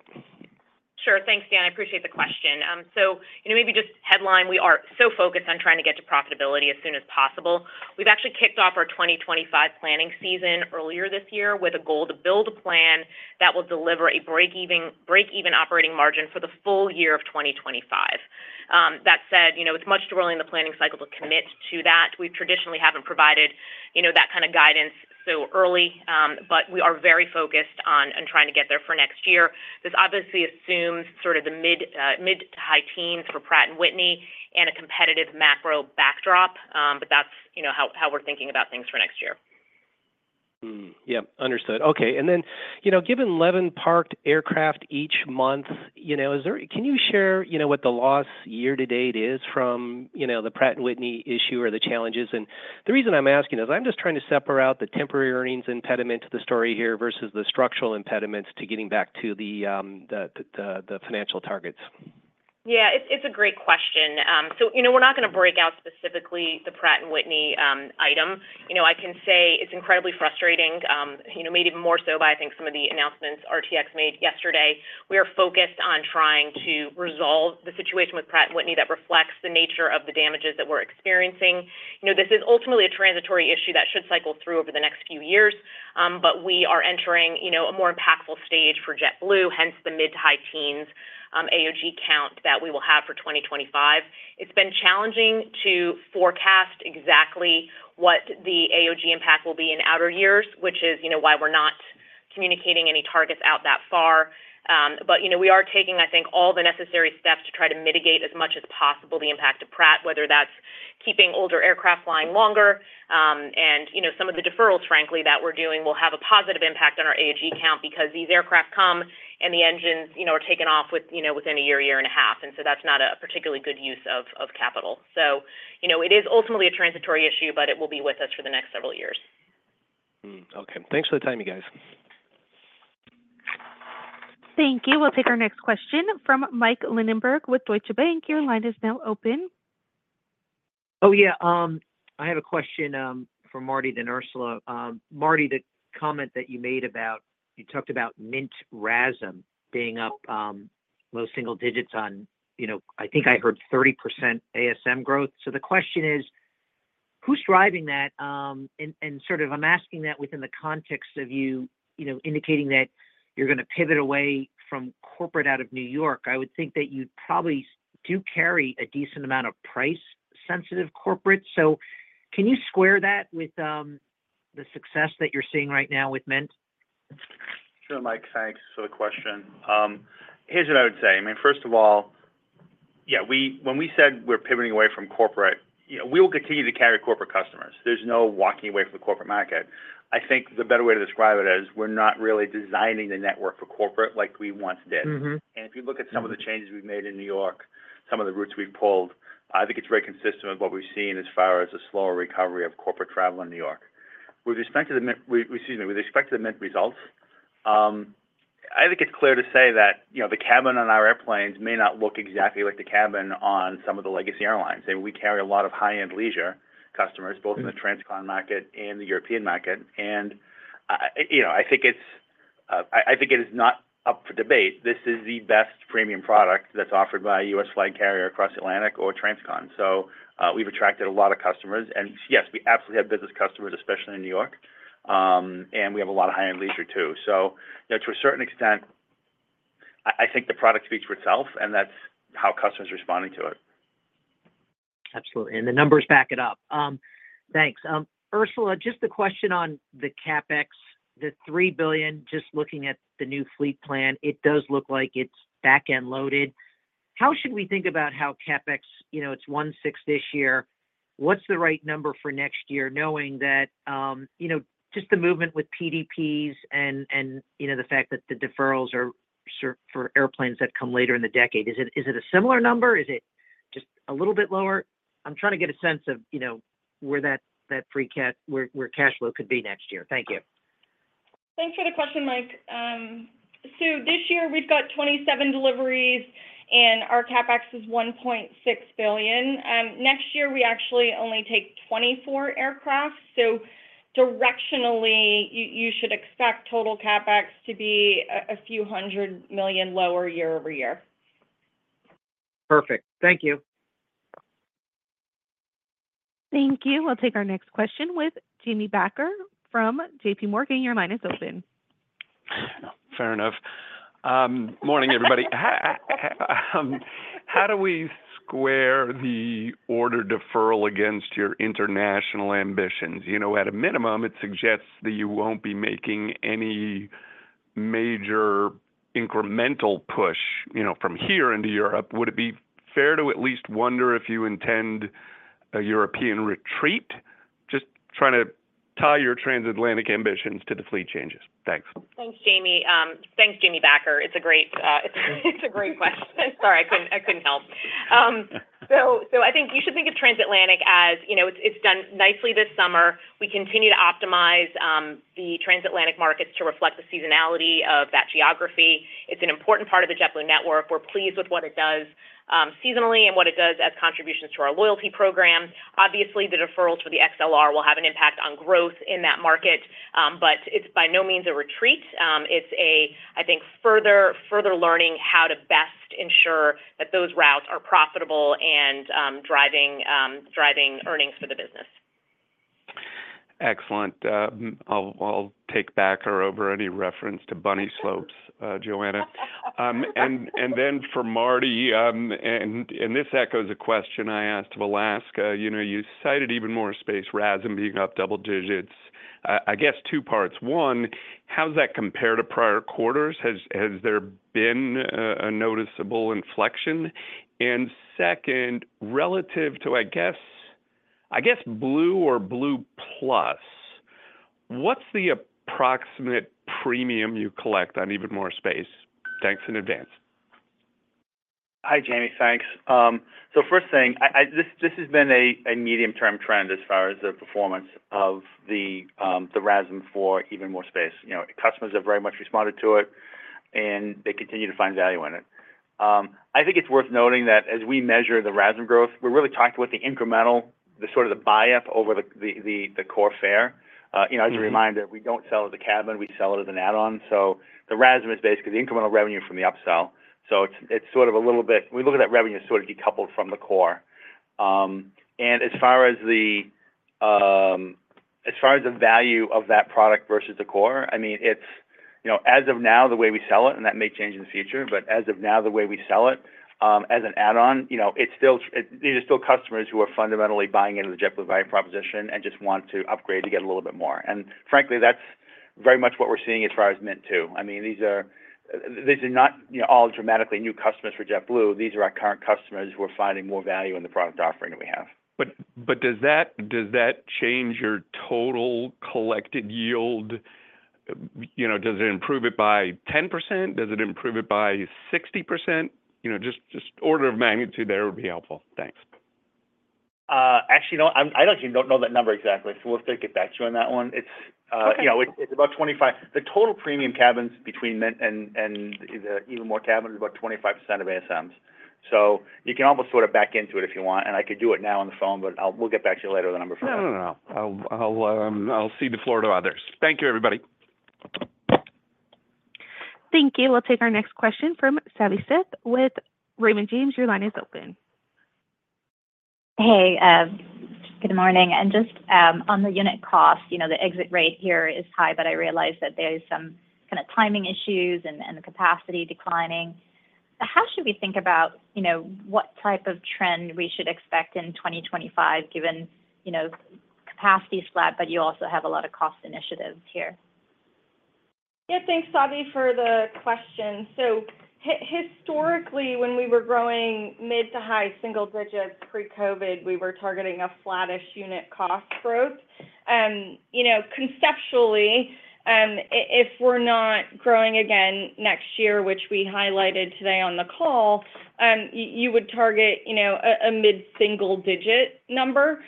Sure. Thanks, Dan. I appreciate the question. So maybe just headline, we are so focused on trying to get to profitability as soon as possible. We've actually kicked off our 2025 planning season earlier this year with a goal to build a plan that will deliver a break-even operating margin for the full year of 2025. That said, it's much too early in the planning cycle to commit to that. We traditionally haven't provided that kind of guidance so early, but we are very focused on trying to get there for next year. This obviously assumes sort of the mid to high teens for Pratt & Whitney and a competitive macro backdrop, but that's how we're thinking about things for next year. Yep, understood. Okay. And then given 11 parked aircraft each month, can you share what the loss year to date is from the Pratt & Whitney issue or the challenges? The reason I'm asking is I'm just trying to separate out the temporary earnings impediment to the story here versus the structural impediments to getting back to the financial targets. Yeah, it's a great question. So we're not going to break out specifically the Pratt & Whitney item. I can say it's incredibly frustrating, made even more so by, I think, some of the announcements RTX made yesterday. We are focused on trying to resolve the situation with Pratt & Whitney that reflects the nature of the damages that we're experiencing. This is ultimately a transitory issue that should cycle through over the next few years, but we are entering a more impactful stage for JetBlue, hence the mid- to high-teens AOG count that we will have for 2025. It's been challenging to forecast exactly what the AOG impact will be in outer years, which is why we're not communicating any targets out that far. But we are taking, I think, all the necessary steps to try to mitigate as much as possible the impact of Pratt, whether that's keeping older aircraft flying longer. And some of the deferrals, frankly, that we're doing will have a positive impact on our AOG count because these aircraft come and the engines are taken off within a year, year and a half. And so that's not a particularly good use of capital. So it is ultimately a transitory issue, but it will be with us for the next several years. Okay. Thanks for the time, you guys. Thank you. We'll take our next question from Mike Linenberg with Deutsche Bank. Your line is now open. Oh, yeah. I have a question for Marty then Ursula. Marty, the comment that you made about you talked about Mint RASM being up low single digits on, I think I heard, 30% ASM growth. So the question is, who's driving that? And sort of I'm asking that within the context of you indicating that you're going to pivot away from corporate out of New York. I would think that you'd probably do carry a decent amount of price-sensitive corporate. So can you square that with the success that you're seeing right now with Mint? Sure, Mike. Thanks for the question. Here's what I would say. I mean, first of all, yeah, when we said we're pivoting away from corporate, we will continue to carry corporate customers. There's no walking away from the corporate market. I think the better way to describe it is we're not really designing the network for corporate like we once did. And if you look at some of the changes we've made in New York, some of the routes we've pulled, I think it's very consistent with what we've seen as far as a slower recovery of corporate travel in New York. With respect to the, excuse me, with respect to the Mint results, I think it's clear to say that the cabin on our airplanes may not look exactly like the cabin on some of the legacy airlines. I mean, we carry a lot of high-end leisure customers, both in the transcon market and the European market. And I think it is not up for debate. This is the best premium product that's offered by a U.S. flag carrier across Atlantic or transcon. So we've attracted a lot of customers. And yes, we absolutely have business customers, especially in New York. And we have a lot of high-end leisure too. So to a certain extent, I think the product speaks for itself, and that's how customers are responding to it. Absolutely. And the numbers back it up. Thanks. Ursula, just the question on the CapEx, the $3 billion, just looking at the new fleet plan, it does look like it's back-end loaded. How should we think about CapEx? It's one-sixth this year. What's the right number for next year, knowing that just the movement with PDPs and the fact that the deferrals are for airplanes that come later in the decade? Is it a similar number? Is it just a little bit lower? I'm trying to get a sense of where that free cash flow could be next year. Thank you. Thanks for the question, Mike. So this year, we've got 27 deliveries, and our CapEx is $1.6 billion. Next year, we actually only take 24 aircraft. So directionally, you should expect total CapEx to be $a few hundred million lower year-over-year. Perfect. Thank you. Thank you. We'll take our next question with Jamie Baker from JPMorgan. Your line is open. Fair enough. Morning, everybody. How do we square the order deferral against your international ambitions? At a minimum, it suggests that you won't be making any major incremental push from here into Europe. Would it be fair to at least wonder if you intend a European retreat? Just trying to tie your transatlantic ambitions to the fleet changes. Thanks. Thanks, Jamie. Thanks, Jamie Baker. It's a great question. Sorry, I couldn't help. So I think you should think of transatlantic as it's done nicely this summer. We continue to optimize the transatlantic markets to reflect the seasonality of that geography. It's an important part of the JetBlue network. We're pleased with what it does seasonally and what it does as contributions to our loyalty program. Obviously, the deferrals for the XLR will have an impact on growth in that market, but it's by no means a retreat. It's a, I think, further learning how to best ensure that those routes are profitable and driving earnings for the business. Excellent. I'll take back or over any reference to bunny slopes, Joanna. And then for Marty, and this echoes a question I asked of Alaska. You cited Even More Space, RASM being up double digits. I guess two parts. One, how does that compare to prior quarters? Has there been a noticeable inflection? And second, relative to, I guess, Blue or Blue Plus, what's the approximate premium you collect on Even More Space? Thanks in advance. Hi, Jamie. Thanks. So first thing, this has been a medium-term trend as far as the performance of the RASM for Even More Space. Customers have very much responded to it, and they continue to find value in it. I think it's worth noting that as we measure the RASM growth, we're really talking about the incremental, the sort of the buy-up over the core fare. As a reminder, we don't sell as a cabin. We sell it as an add-on. So the RASM is basically the incremental revenue from the upsell. So it's sort of a little bit we look at that revenue sort of decoupled from the core. And as far as the value of that product versus the core, I mean, as of now, the way we sell it, and that may change in the future, but as of now, the way we sell it as an add-on, there are still customers who are fundamentally buying into the JetBlue value proposition and just want to upgrade to get a little bit more. And frankly, that's very much what we're seeing as far as Mint too. I mean, these are not all dramatically new customers for JetBlue. These are our current customers who are finding more value in the product offering that we have. But does that change your total collected yield? Does it improve it by 10%? Does it improve it by 60%? Just order of magnitude there would be helpful. Thanks. Actually, I don't actually know that number exactly. So we'll have to get back to you on that one. It's about 25. The total premium cabins between Mint and Even More cabin is about 25% of ASMs. So you can almost sort of back into it if you want. And I could do it now on the phone, but we'll get back to you later on the number for that. No, no, no. I'll cede the floor to others. Thank you, everybody. Thank you. We'll take our next question from Savanthi Syth with Raymond James. Your line is open. Hey, good morning. And just on the unit cost, the exit rate here is high, but I realize that there are some kind of timing issues and the capacity declining. How should we think about what type of trend we should expect in 2025 given capacity slack, but you also have a lot of cost initiatives here? Yeah, thanks, Savvy, for the question. So historically, when we were growing mid- to high-single digits pre-COVID, we were targeting a flattish unit cost growth. Conceptually, if we're not growing again next year, which we highlighted today on the call, you would target a mid-single digit number.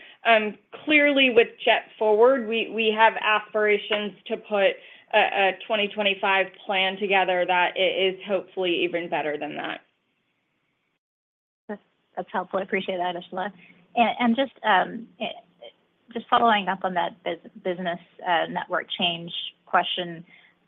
Clearly, with JetForward, we have aspirations to put a 2025 plan together that is hopefully even better than that. That's helpful. I appreciate that, Ursula. And just following up on that business network change question,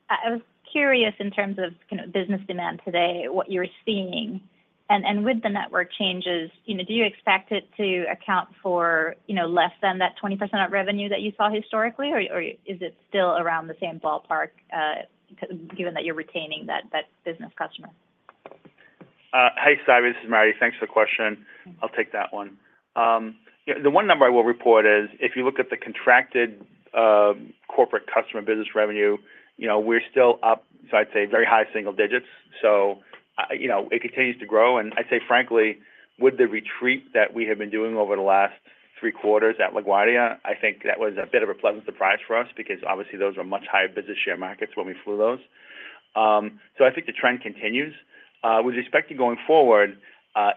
I was curious in terms of business demand today, what you're seeing. And with the network changes, do you expect it to account for less than that 20% of revenue that you saw historically, or is it still around the same ballpark given that you're retaining that business customer? Hi, Savvy. This is Marty. Thanks for the question. I'll take that one. The one number I will report is if you look at the contracted corporate customer business revenue, we're still up, so I'd say very high single digits. So it continues to grow. And I'd say, frankly, with the retreat that we have been doing over the last three quarters at LaGuardia, I think that was a bit of a pleasant surprise for us because obviously those are much higher business share markets when we flew those. So I think the trend continues. With respect to going forward,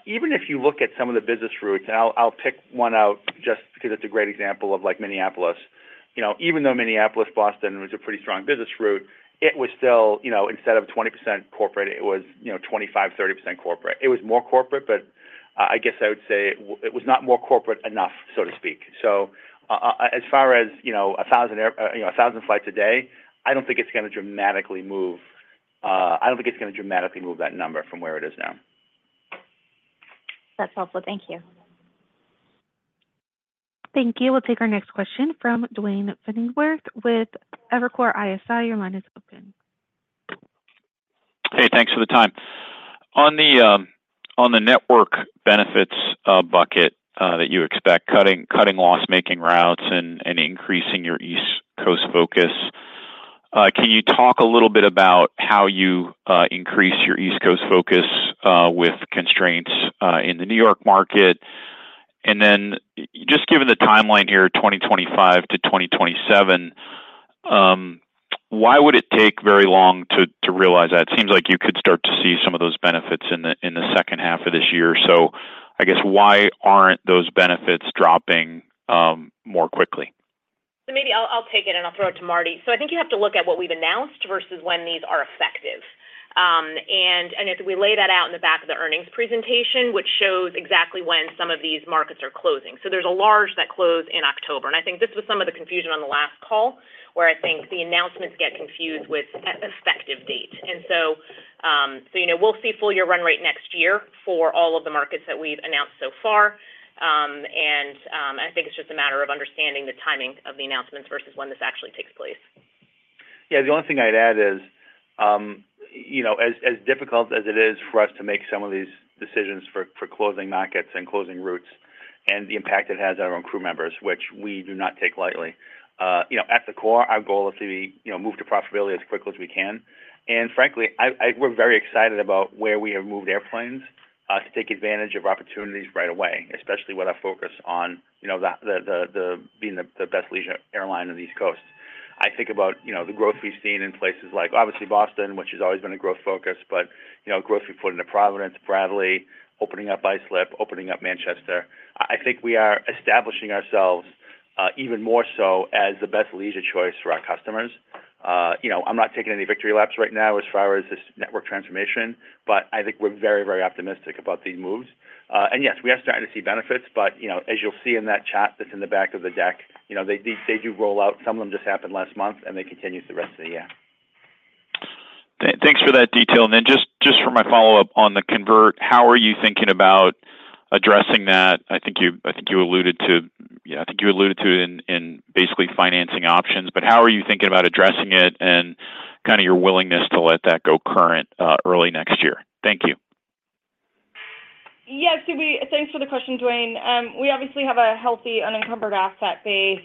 even if you look at some of the business routes, and I'll pick one out just because it's a great example of Minneapolis. Even though Minneapolis Boston was a pretty strong business route, it was still, instead of 20% corporate, it was 25%-30% corporate. It was more corporate, but I guess I would say it was not more corporate enough, so to speak. So as far as 1,000 flights a day, I don't think it's going to dramatically move I don't think it's going to dramatically move that number from where it is now. That's helpful. Thank you. Thank you. We'll take our next question from Duane Pfennigwerth with Evercore ISI. Your line is open. Hey, thanks for the time. On the network benefits bucket that you expect, cutting loss-making routes and increasing your East Coast focus, can you talk a little bit about how you increase your East Coast focus with constraints in the New York market? And then just given the timeline here, 2025 to 2027, why would it take very long to realize that? It seems like you could start to see some of those benefits in the second half of this year. So I guess why aren't those benefits dropping more quickly? So maybe I'll take it and I'll throw it to Marty. So I think you have to look at what we've announced versus when these are effective. And I think we lay that out in the back of the earnings presentation, which shows exactly when some of these markets are closing. So there's a large that close in October. And I think this was some of the confusion on the last call where I think the announcements get confused with effective date. And so we'll see full year run rate next year for all of the markets that we've announced so far. And I think it's just a matter of understanding the timing of the announcements versus when this actually takes place. Yeah, the only thing I'd add is, as difficult as it is for us to make some of these decisions for closing markets and closing routes and the impact it has on our own crew members, which we do not take lightly. At the core, our goal is to move to profitability as quickly as we can. And frankly, we're very excited about where we have moved airplanes to take advantage of opportunities right away, especially with our focus on being the best leisure airline in the East Coast. I think about the growth we've seen in places like obviously Boston, which has always been a growth focus, but growth we've put into Providence, Bradley, opening up Islip, opening up Manchester. I think we are establishing ourselves even more so as the best leisure choice for our customers. I'm not taking any victory laps right now as far as this network transformation, but I think we're very, very optimistic about these moves. And yes, we are starting to see benefits, but as you'll see in that chart that's in the back of the deck, they do roll out. Some of them just happened last month, and they continue for the rest of the year. Thanks for that detail. And then just for my follow-up on the convert, how are you thinking about addressing that? I think you alluded to yeah, I think you alluded to it in basically financing options, but how are you thinking about addressing it and kind of your willingness to let that go current early next year? Thank you. Yes, thanks for the question, Duane. We obviously have a healthy unencumbered asset base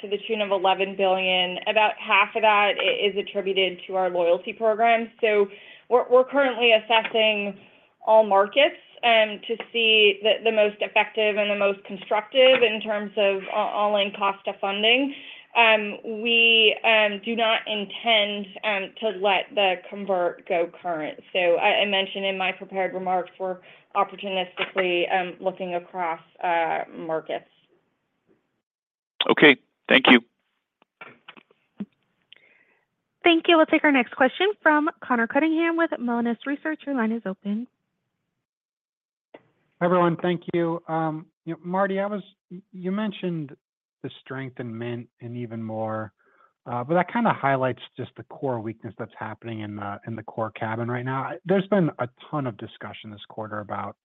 to the tune of $11 billion. About half of that is attributed to our loyalty program. So we're currently assessing all markets to see the most effective and the most constructive in terms of all-in cost of funding. We do not intend to let the convert go current. So I mentioned in my prepared remarks, we're opportunistically looking across markets. Okay. Thank you. Thank you. We'll take our next question from Conor Cunningham with Melius Research. Your line is open. Hi everyone. Thank you. Marty, you mentioned the strength in Mint and Even More, but that kind of highlights just the core weakness that's happening in the core cabin right now. There's been a ton of discussion this quarter about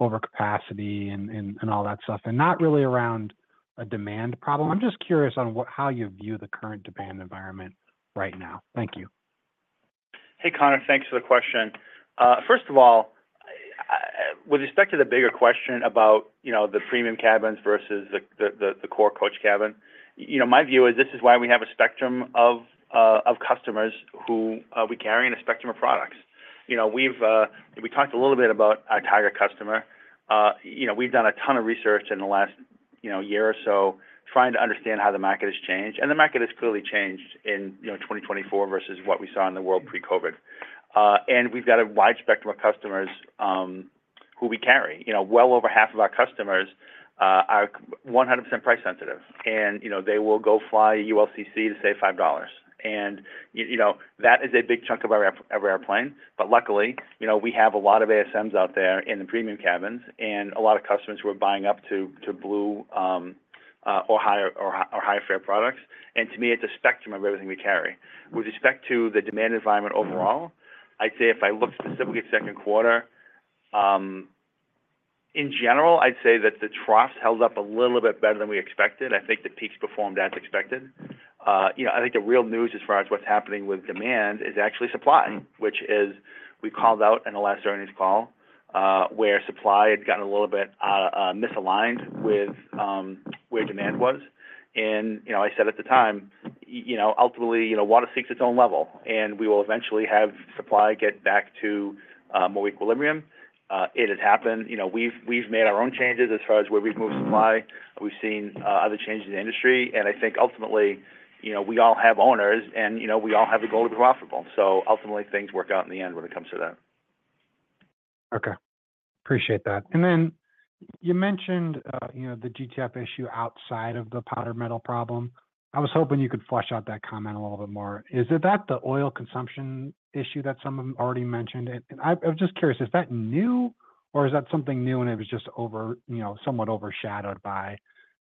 overcapacity and all that stuff, and not really around a demand problem. I'm just curious on how you view the current demand environment right now. Thank you. Hey, Connor, thanks for the question. First of all, with respect to the bigger question about the premium cabins versus the core coach cabin, my view is this is why we have a spectrum of customers who we carry in a spectrum of products. We talked a little bit about our target customer. We've done a ton of research in the last year or so trying to understand how the market has changed. And the market has clearly changed in 2024 versus what we saw in the world pre-COVID. And we've got a wide spectrum of customers who we carry. Well over half of our customers are 100% price sensitive. And they will go fly ULCC to save $5. And that is a big chunk of our airplane. But luckily, we have a lot of ASMs out there in the premium cabins and a lot of customers who are buying up to Blue or higher fare products. And to me, it's a spectrum of everything we carry. With respect to the demand environment overall, I'd say if I look specifically at second quarter, in general, I'd say that the troughs held up a little bit better than we expected. I think the peaks performed as expected. I think the real news as far as what's happening with demand is actually supply, which is we called out in the last earnings call where supply had gotten a little bit misaligned with where demand was. And I said at the time, ultimately, water seeks its own level, and we will eventually have supply get back to more equilibrium. It has happened. We've made our own changes as far as where we've moved supply. We've seen other changes in the industry. And I think ultimately, we all have owners, and we all have the goal to be profitable. So ultimately, things work out in the end when it comes to that. Okay. Appreciate that. And then you mentioned the GTF issue outside of the powder metal problem. I was hoping you could flesh out that comment a little bit more. Is it that the oil consumption issue that some of them already mentioned? I was just curious, is that new, or is that something new and it was just somewhat overshadowed by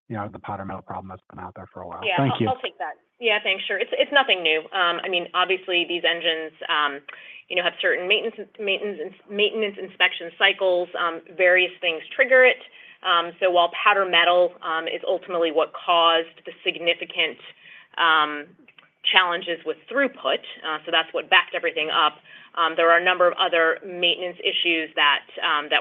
the powder metal problem that's been out there for a while? Thank you. Yeah, I'll take that. Yeah, thanks. Sure. It's nothing new. I mean, obviously, these engines have certain maintenance inspection cycles. Various things trigger it. So while powder metal is ultimately what caused the significant challenges with throughput, so that's what backed everything up, there are a number of other maintenance issues that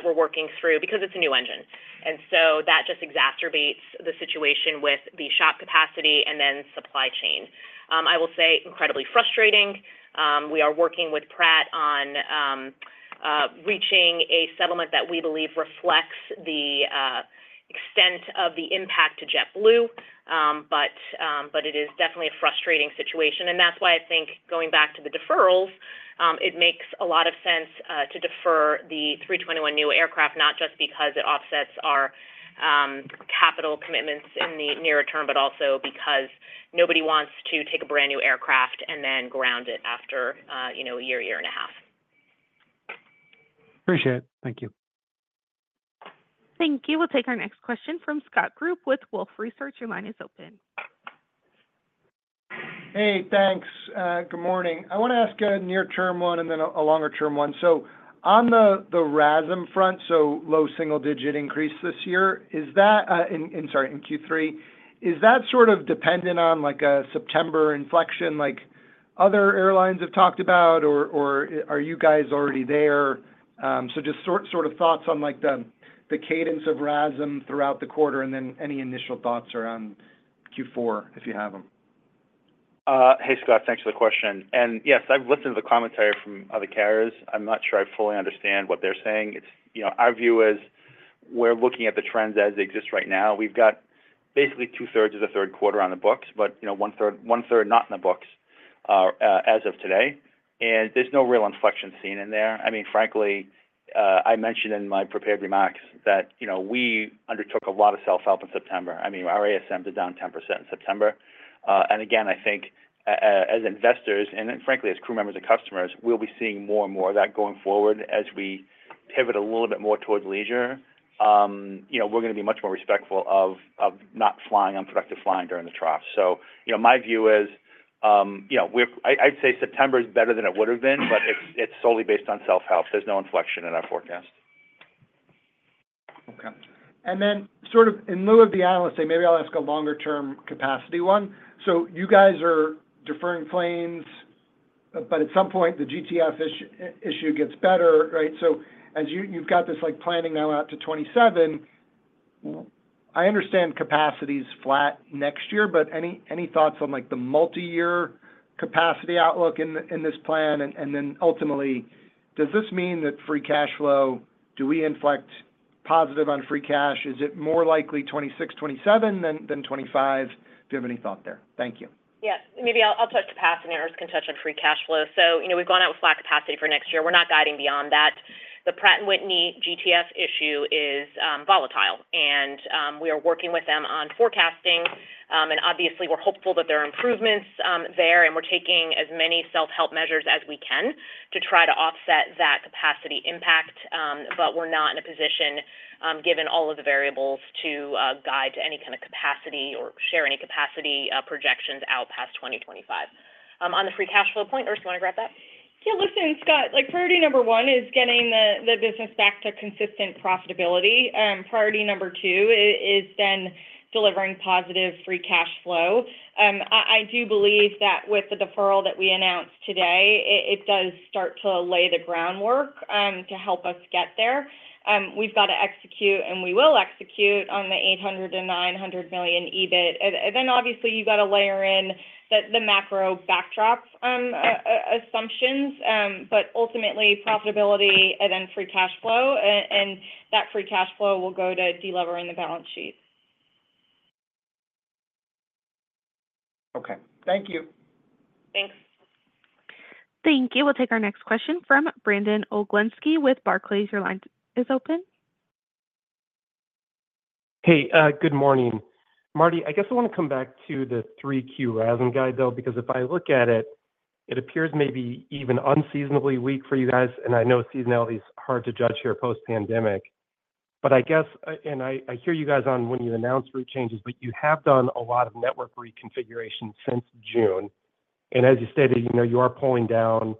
we're working through because it's a new engine. And so that just exacerbates the situation with the shop capacity and then supply chain. I will say, incredibly frustrating. We are working with Pratt on reaching a settlement that we believe reflects the extent of the impact to JetBlue, but it is definitely a frustrating situation. And that's why I think going back to the deferrals, it makes a lot of sense to defer the 321neo aircraft, not just because it offsets our capital commitments in the nearer term, but also because nobody wants to take a brand new aircraft and then ground it after a year, year and a half. Appreciate it. Thank you. Thank you. We'll take our next question from Scott Group with Wolfe Research. Your line is open. Hey, thanks. Good morning. I want to ask a near-term one and then a longer-term one. So on the RASM front, so low single-digit increase this year, and sorry, in Q3, is that sort of dependent on a September inflection like other airlines have talked about, or are you guys already there? So just sort of thoughts on the cadence of RASM throughout the quarter and then any initial thoughts around Q4 if you have them. Hey, Scott, thanks for the question. And yes, I've listened to the commentary from other carriers. I'm not sure I fully understand what they're saying. Our view is we're looking at the trends as they exist right now. We've got basically two-thirds of the third quarter on the books, but one-third not in the books as of today. There's no real inflection seen in there. I mean, frankly, I mentioned in my prepared remarks that we undertook a lot of self-help in September. I mean, our ASMs are down 10% in September. And again, I think as investors and frankly, as crew members and customers, we'll be seeing more and more of that going forward as we pivot a little bit more towards leisure. We're going to be much more respectful of not flying unproductive flying during the trough. So my view is I'd say September is better than it would have been, but it's solely based on self-help. There's no inflection in our forecast. Okay. And then sort of in lieu of the analyst, maybe I'll ask a longer-term capacity one. So you guys are deferring planes, but at some point, the GTF issue gets better, right? So you've got this planning now out to 2027. I understand capacity is flat next year, but any thoughts on the multi-year capacity outlook in this plan? And then ultimately, does this mean that free cash flow, do we inflect positive on free cash? Is it more likely 2026, 2027 than 2025? Do you have any thought there? Thank you. Yes. Maybe I'll touch capacity or I can touch on free cash flow. So we've gone out with flat capacity for next year. We're not guiding beyond that. The Pratt & Whitney GTF issue is volatile, and we are working with them on forecasting. And obviously, we're hopeful that there are improvements there, and we're taking as many self-help measures as we can to try to offset that capacity impact, but we're not in a position, given all of the variables, to guide any kind of capacity or share any capacity projections out past 2025. On the free cash flow point, or do you want to grab that? Yeah, listen, Scott, priority number one is getting the business back to consistent profitability. Priority number two is then delivering positive free cash flow. I do believe that with the deferral that we announced today, it does start to lay the groundwork to help us get there. We've got to execute, and we will execute on the $800 million-$900 million EBIT. And then obviously, you've got to layer in the macro backdrop assumptions, but ultimately, profitability and then free cash flow. And that free cash flow will go to delivering the balance sheet. Okay. Thank you. Thanks. Thank you. We'll take our next question from Brandon Oglenski with Barclays. Your line is open. Hey, good morning. Marty, I guess I want to come back to the 3Q RASM guide, though, because if I look at it, it appears maybe even unseasonably weak for you guys. And I know seasonality is hard to judge here post-pandemic, but I guess, and I hear you guys on when you announced route changes, but you have done a lot of network reconfiguration since June. And as you stated, you are pulling down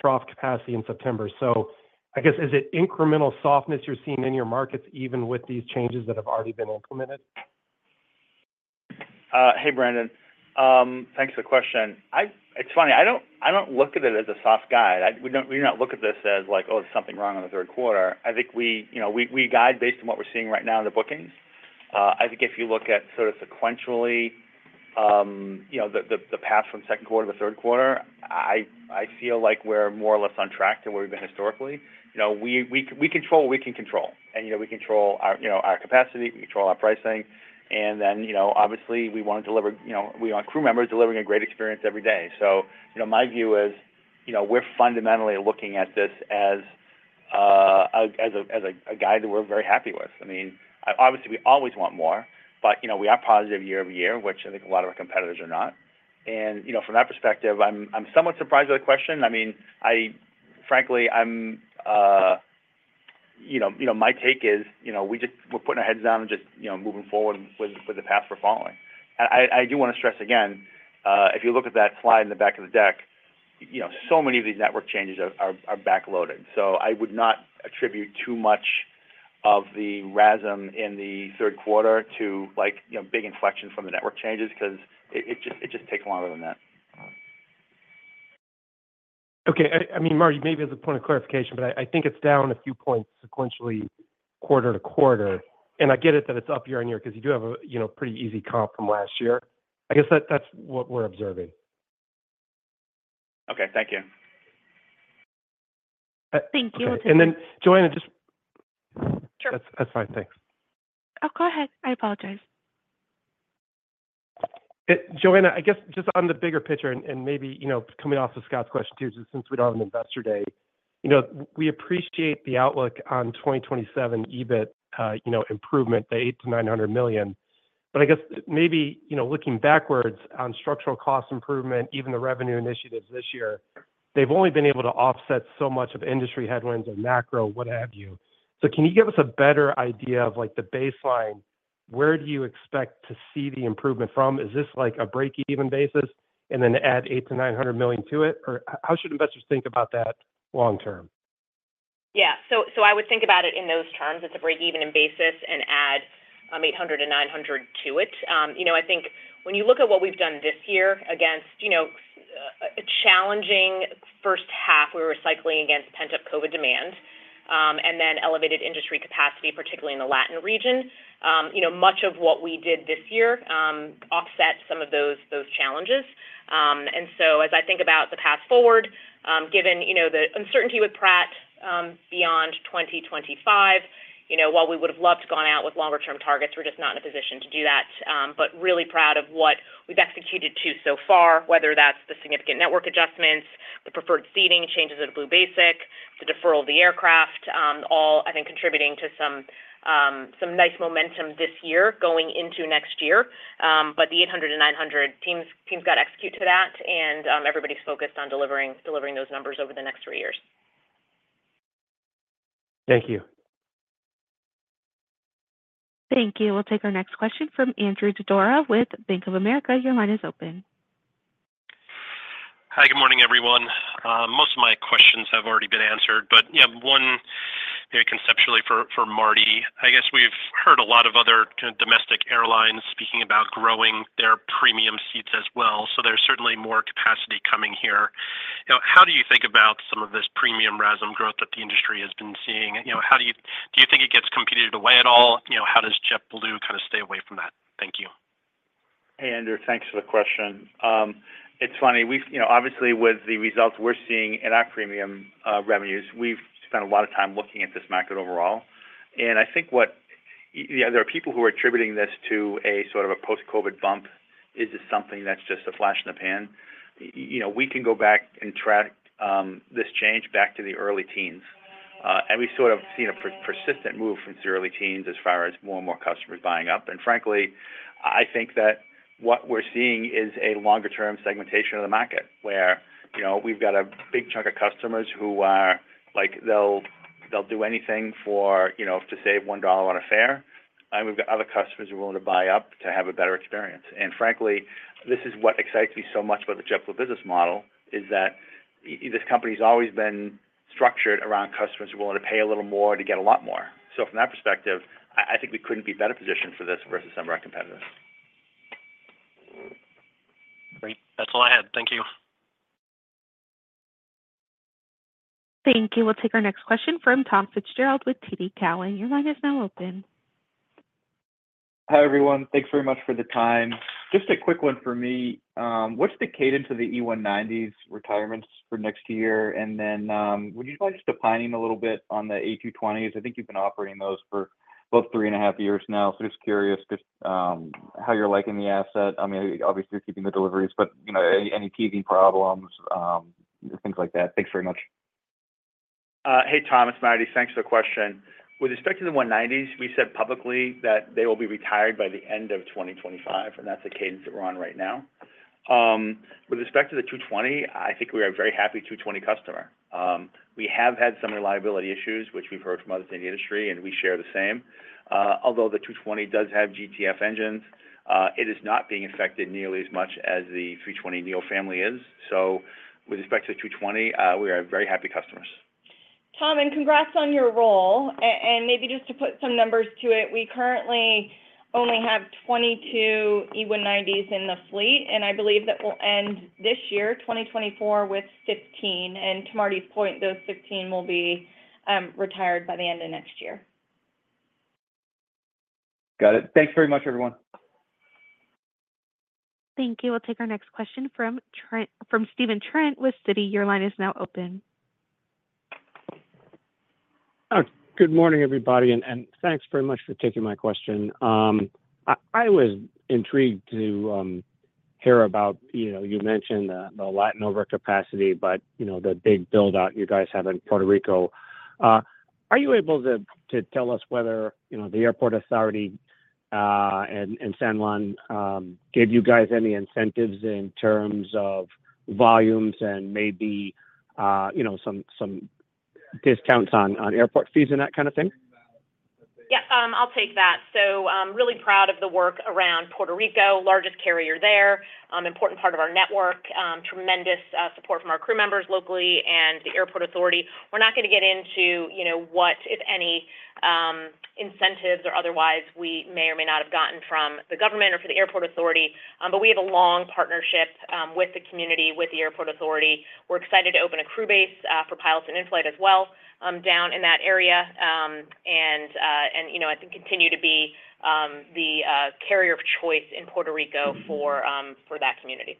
trough capacity in September. So I guess, is it incremental softness you're seeing in your markets even with these changes that have already been implemented? Hey, Brandon. Thanks for the question. It's funny. I don't look at it as a soft guide. We do not look at this as like, "Oh, there's something wrong in the third quarter." I think we guide based on what we're seeing right now in the bookings. I think if you look at sort of sequentially the path from second quarter to third quarter, I feel like we're more or less on track to where we've been historically. We control what we can control. We control our capacity. We control our pricing. Obviously, we want to deliver. We want crew members delivering a great experience every day. My view is we're fundamentally looking at this as a guide that we're very happy with. I mean, obviously, we always want more, but we are positive year over year, which I think a lot of our competitors are not. From that perspective, I'm somewhat surprised by the question. I mean, frankly, my take is we're putting our heads down and just moving forward with the path we're following. I do want to stress again, if you look at that slide in the back of the deck, so many of these network changes are backloaded. So I would not attribute too much of the RASM in the third quarter to big inflection from the network changes because it just takes longer than that. Okay. I mean, Marty, maybe as a point of clarification, but I think it's down a few points sequentially quarter-over-quarter. And I get it that it's up year-over-year because you do have a pretty easy comp from last year. I guess that's what we're observing. Okay. Thank you. Thank you. And then, Joanna, just. Sure. That's fine. Thanks. Oh, go ahead. I apologize. Joanna, I guess just on the bigger picture and maybe coming off of Scott's question too, since we're on investor day, we appreciate the outlook on 2027 EBIT improvement, the $800 million-$900 million. But I guess maybe looking backwards on structural cost improvement, even the revenue initiatives this year, they've only been able to offset so much of industry headwinds and macro, what have you. So can you give us a better idea of the baseline? Where do you expect to see the improvement from? Is this a break-even basis and then add $800 million-$900 million to it? Or how should investors think about that long-term? Yeah. So I would think about it in those terms. It's a break-even basis and add $800 million-$900 million to it. I think when you look at what we've done this year against a challenging first half, we were cycling against pent-up COVID demand and then elevated industry capacity, particularly in the Latin region. Much of what we did this year offsets some of those challenges. And so as I think about the path forward, given the uncertainty with Pratt beyond 2025, while we would have loved to have gone out with longer-term targets, we're just not in a position to do that. But really proud of what we've executed to so far, whether that's the significant network adjustments, the Preferred Seating, changes of Blue Basic, the deferral of the aircraft, all I think contributing to some nice momentum this year going into next year. But the $800-$900, teams got to execute to that, and everybody's focused on delivering those numbers over the next three years. Thank you. Thank you. We'll take our next question from Andrew Didora with Bank of America. Your line is open. Hi, good morning, everyone. Most of my questions have already been answered, but one very conceptually for Marty. I guess we've heard a lot of other domestic airlines speaking about growing their premium seats as well. So there's certainly more capacity coming here. How do you think about some of this premium RASM growth that the industry has been seeing? Do you think it gets competed away at all? How does JetBlue kind of stay away from that? Thank you. Hey, Andrew, thanks for the question. It's funny. Obviously, with the results we're seeing in our premium revenues, we've spent a lot of time looking at this market overall. And I think there are people who are attributing this to a sort of a post-COVID bump. Is this something that's just a flash in the pan? We can go back and track this change back to the early teens. We sort of see a persistent move from the early teens as far as more and more customers buying up. Frankly, I think that what we're seeing is a longer-term segmentation of the market where we've got a big chunk of customers who are like, they'll do anything to save $1 on a fare. We've got other customers who are willing to buy up to have a better experience. Frankly, this is what excites me so much about the JetBlue business model, is that this company has always been structured around customers who are willing to pay a little more to get a lot more. So from that perspective, I think we couldn't be better positioned for this versus some of our competitors. Great. That's all I had. Thank you. Thank you. We'll take our next question from Tom Fitzgerald with TD Cowen. Your line is now open. Hi, everyone. Thanks very much for the time. Just a quick one for me. What's the cadence of the E190s retirements for next year? And then would you mind just opining a little bit on the A220s? I think you've been operating those for about three and a half years now. So just curious how you're liking the asset. I mean, obviously, you're keeping the deliveries, but any teething problems, things like that. Thanks very much. Hey, Tom, it's Marty. Thanks for the question. With respect to the 190s, we said publicly that they will be retired by the end of 2025, and that's the cadence that we're on right now. With respect to the 220, I think we are a very happy 220 customer. We have had some reliability issues, which we've heard from others in the industry, and we share the same. Although the A220 does have GTF engines, it is not being affected nearly as much as the A320neo family is. So with respect to the A220, we are very happy customers. Tom, and congrats on your role. And maybe just to put some numbers to it, we currently only have 22 E190s in the fleet, and I believe that we'll end this year, 2024, with 15. And to Marty's point, those 15 will be retired by the end of next year. Got it. Thanks very much, everyone. Thank you. We'll take our next question from Stephen Trent with Citi. Your line is now open. Good morning, everybody, and thanks very much for taking my question. I was intrigued to hear about you mentioned the Latin over capacity, but the big buildout you guys have in Puerto Rico. Are you able to tell us whether the airport authority and San Juan gave you guys any incentives in terms of volumes and maybe some discounts on airport fees and that kind of thing? Yep. I'll take that. So really proud of the work around Puerto Rico, largest carrier there, important part of our network, tremendous support from our crew members locally and the airport authority. We're not going to get into what, if any, incentives or otherwise we may or may not have gotten from the government or from the airport authority, but we have a long partnership with the community, with the airport authority. We're excited to open a crew base for pilots and in-flight as well down in that area. And I think continue to be the carrier of choice in Puerto Rico for that community.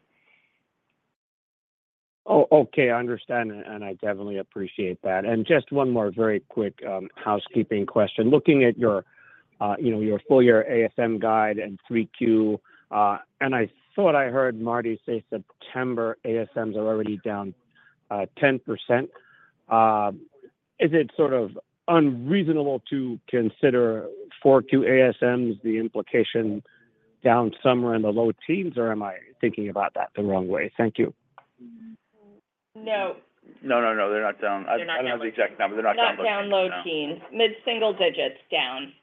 Oh, okay. I understand, and I definitely appreciate that. And just one more very quick housekeeping question. Looking at your full year ASM guide and 3Q, and I thought I heard Marty say September ASMs are already down 10%. Is it sort of unreasonable to consider 4Q ASMs, the implication down somewhere in the low teens, or am I thinking about that the wrong way? Thank you. No. No, no, no. They're not down. I don't have the exact number. They're not down. They're not down low teens. Mid-single digits down.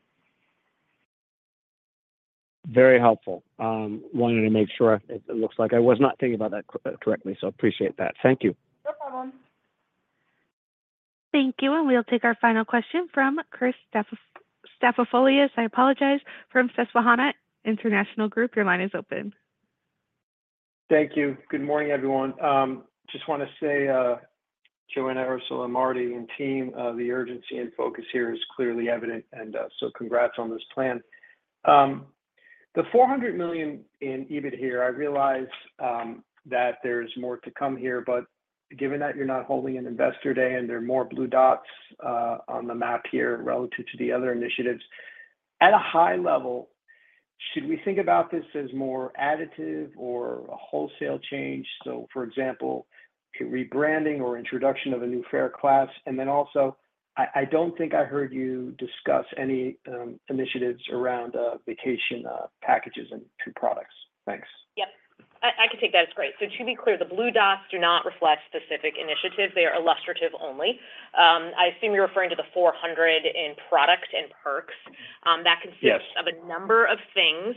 Very helpful. Wanted to make sure it looks like I was not thinking about that correctly, so I appreciate that. Thank you. No problem. Thank you. And we'll take our final question from Chris Stathoulopoulos. I apologize. From Susquehanna International Group, your line is open. Thank you. Good morning, everyone. Just want to say, Joanna, Ursula, Marty, and team, the urgency and focus here is clearly evident, and so congrats on this plan. The $400 million in EBIT here, I realize that there's more to come here, but given that you're not holding an investor day and there are more blue dots on the map here relative to the other initiatives, at a high level, should we think about this as more additive or a wholesale change? So for example, rebranding or introduction of a new fare class. And then also, I don't think I heard you discuss any initiatives around vacation packages and products. Thanks. Yep. I can take that as great. So to be clear, the blue dots do not reflect specific initiatives. They are illustrative only. I assume you're referring to the 400 in product and perks. That consists of a number of things,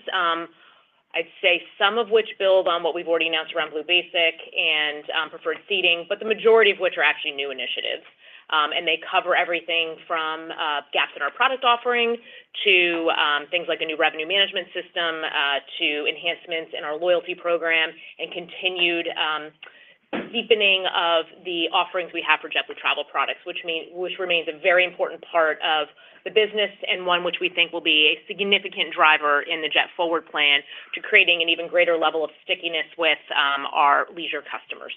I'd say some of which build on what we've already announced around Blue Basic and Preferred Seating, but the majority of which are actually new initiatives. And they cover everything from gaps in our product offering to things like a new revenue management system to enhancements in our loyalty program and continued deepening of the offerings we have for JetBlue Travel Products, which remains a very important part of the business and one which we think will be a significant driver in the JetForward plan to creating an even greater level of stickiness with our leisure customers.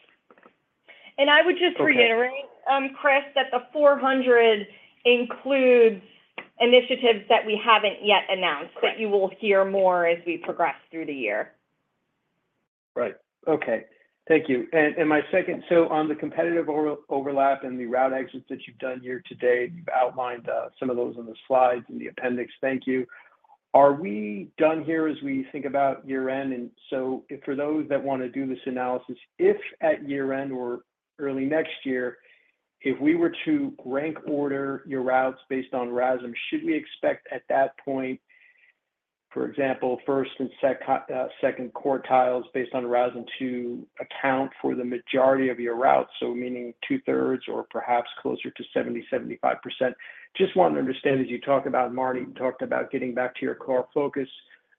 And I would just reiterate, Chris, that the 400 includes initiatives that we haven't yet announced that you will hear more as we progress through the year. Right. Okay. Thank you. And my second, so on the competitive overlap and the route exits that you've done year to date, you've outlined some of those on the slides and the appendix. Thank you. Are we done here as we think about year-end? And so for those that want to do this analysis, if at year-end or early next year, if we were to rank order your routes based on RASM, should we expect at that point, for example, first and second quartiles based on RASM to account for the majority of your routes? So meaning two-thirds or perhaps closer to 70%-75%. Just wanted to understand as you talk about Marty, you talked about getting back to your core focus,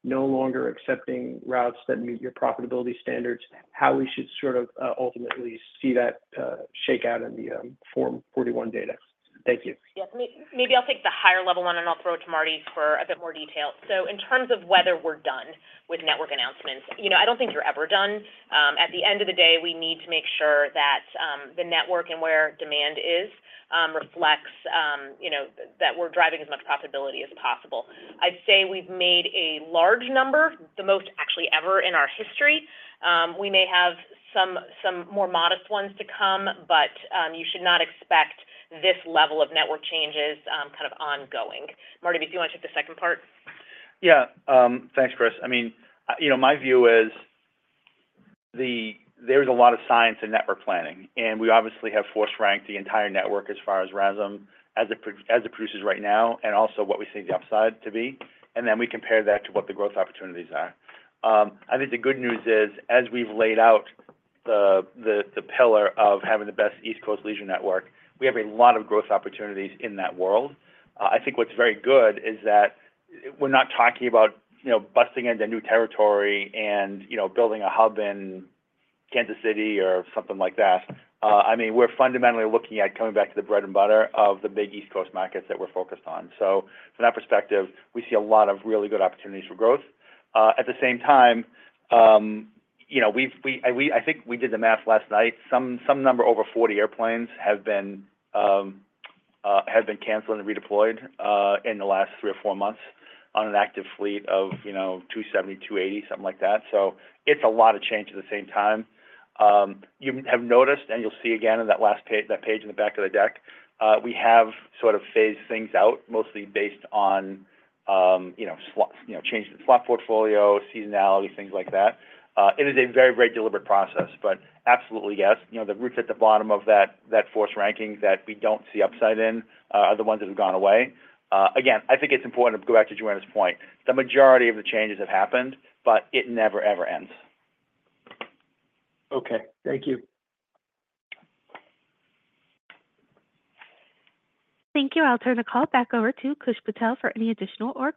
no longer accepting routes that meet your profitability standards, how we should sort of ultimately see that shake out in the Form 41 data. Thank you. Yes. Maybe I'll take the higher level one and I'll throw it to Marty for a bit more detail. So in terms of whether we're done with network announcements, I don't think you're ever done. At the end of the day, we need to make sure that the network and where demand is reflects that we're driving as much profitability as possible. I'd say we've made a large number, the most actually ever in our history. We may have some more modest ones to come, but you should not expect this level of network changes kind of ongoing. Marty, if you want to take the second part. Yeah. Thanks, Chris. I mean, my view is there's a lot of science in network planning, and we obviously have force ranked the entire network as far as RASM as it produces right now and also what we see the upside to be. And then we compare that to what the growth opportunities are. I think the good news is, as we've laid out the pillar of having the best East Coast leisure network, we have a lot of growth opportunities in that world. I think what's very good is that we're not talking about busting into new territory and building a hub in Kansas City or something like that. I mean, we're fundamentally looking at coming back to the bread and butter of the big East Coast markets that we're focused on. So from that perspective, we see a lot of really good opportunities for growth. At the same time, I think we did the math last night. Some number over 40 airplanes have been canceled and redeployed in the last three or four months on an active fleet of 270, 280, something like that. So it's a lot of change at the same time. You have noticed, and you'll see again in that last page in the back of the deck, we have sort of phased things out mostly based on changed the slot portfolio, seasonality, things like that. It is a very, very deliberate process, but absolutely yes. The routes at the bottom of that forced ranking that we don't see upside in are the ones that have gone away. Again, I think it's important to go back to Joanna's point. The majority of the changes have happened, but it never, ever ends. Okay. Thank you. Thank you. I'll turn the call back over to Koosh Patel for any additional or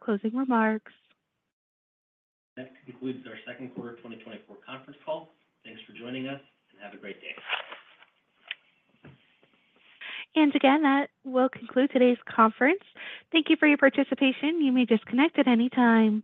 closing remarks. That concludes our second quarter 2024 conference call. Thanks for joining us, and have a great day. And again, that will conclude today's conference. Thank you for your participation. You may disconnect at any time.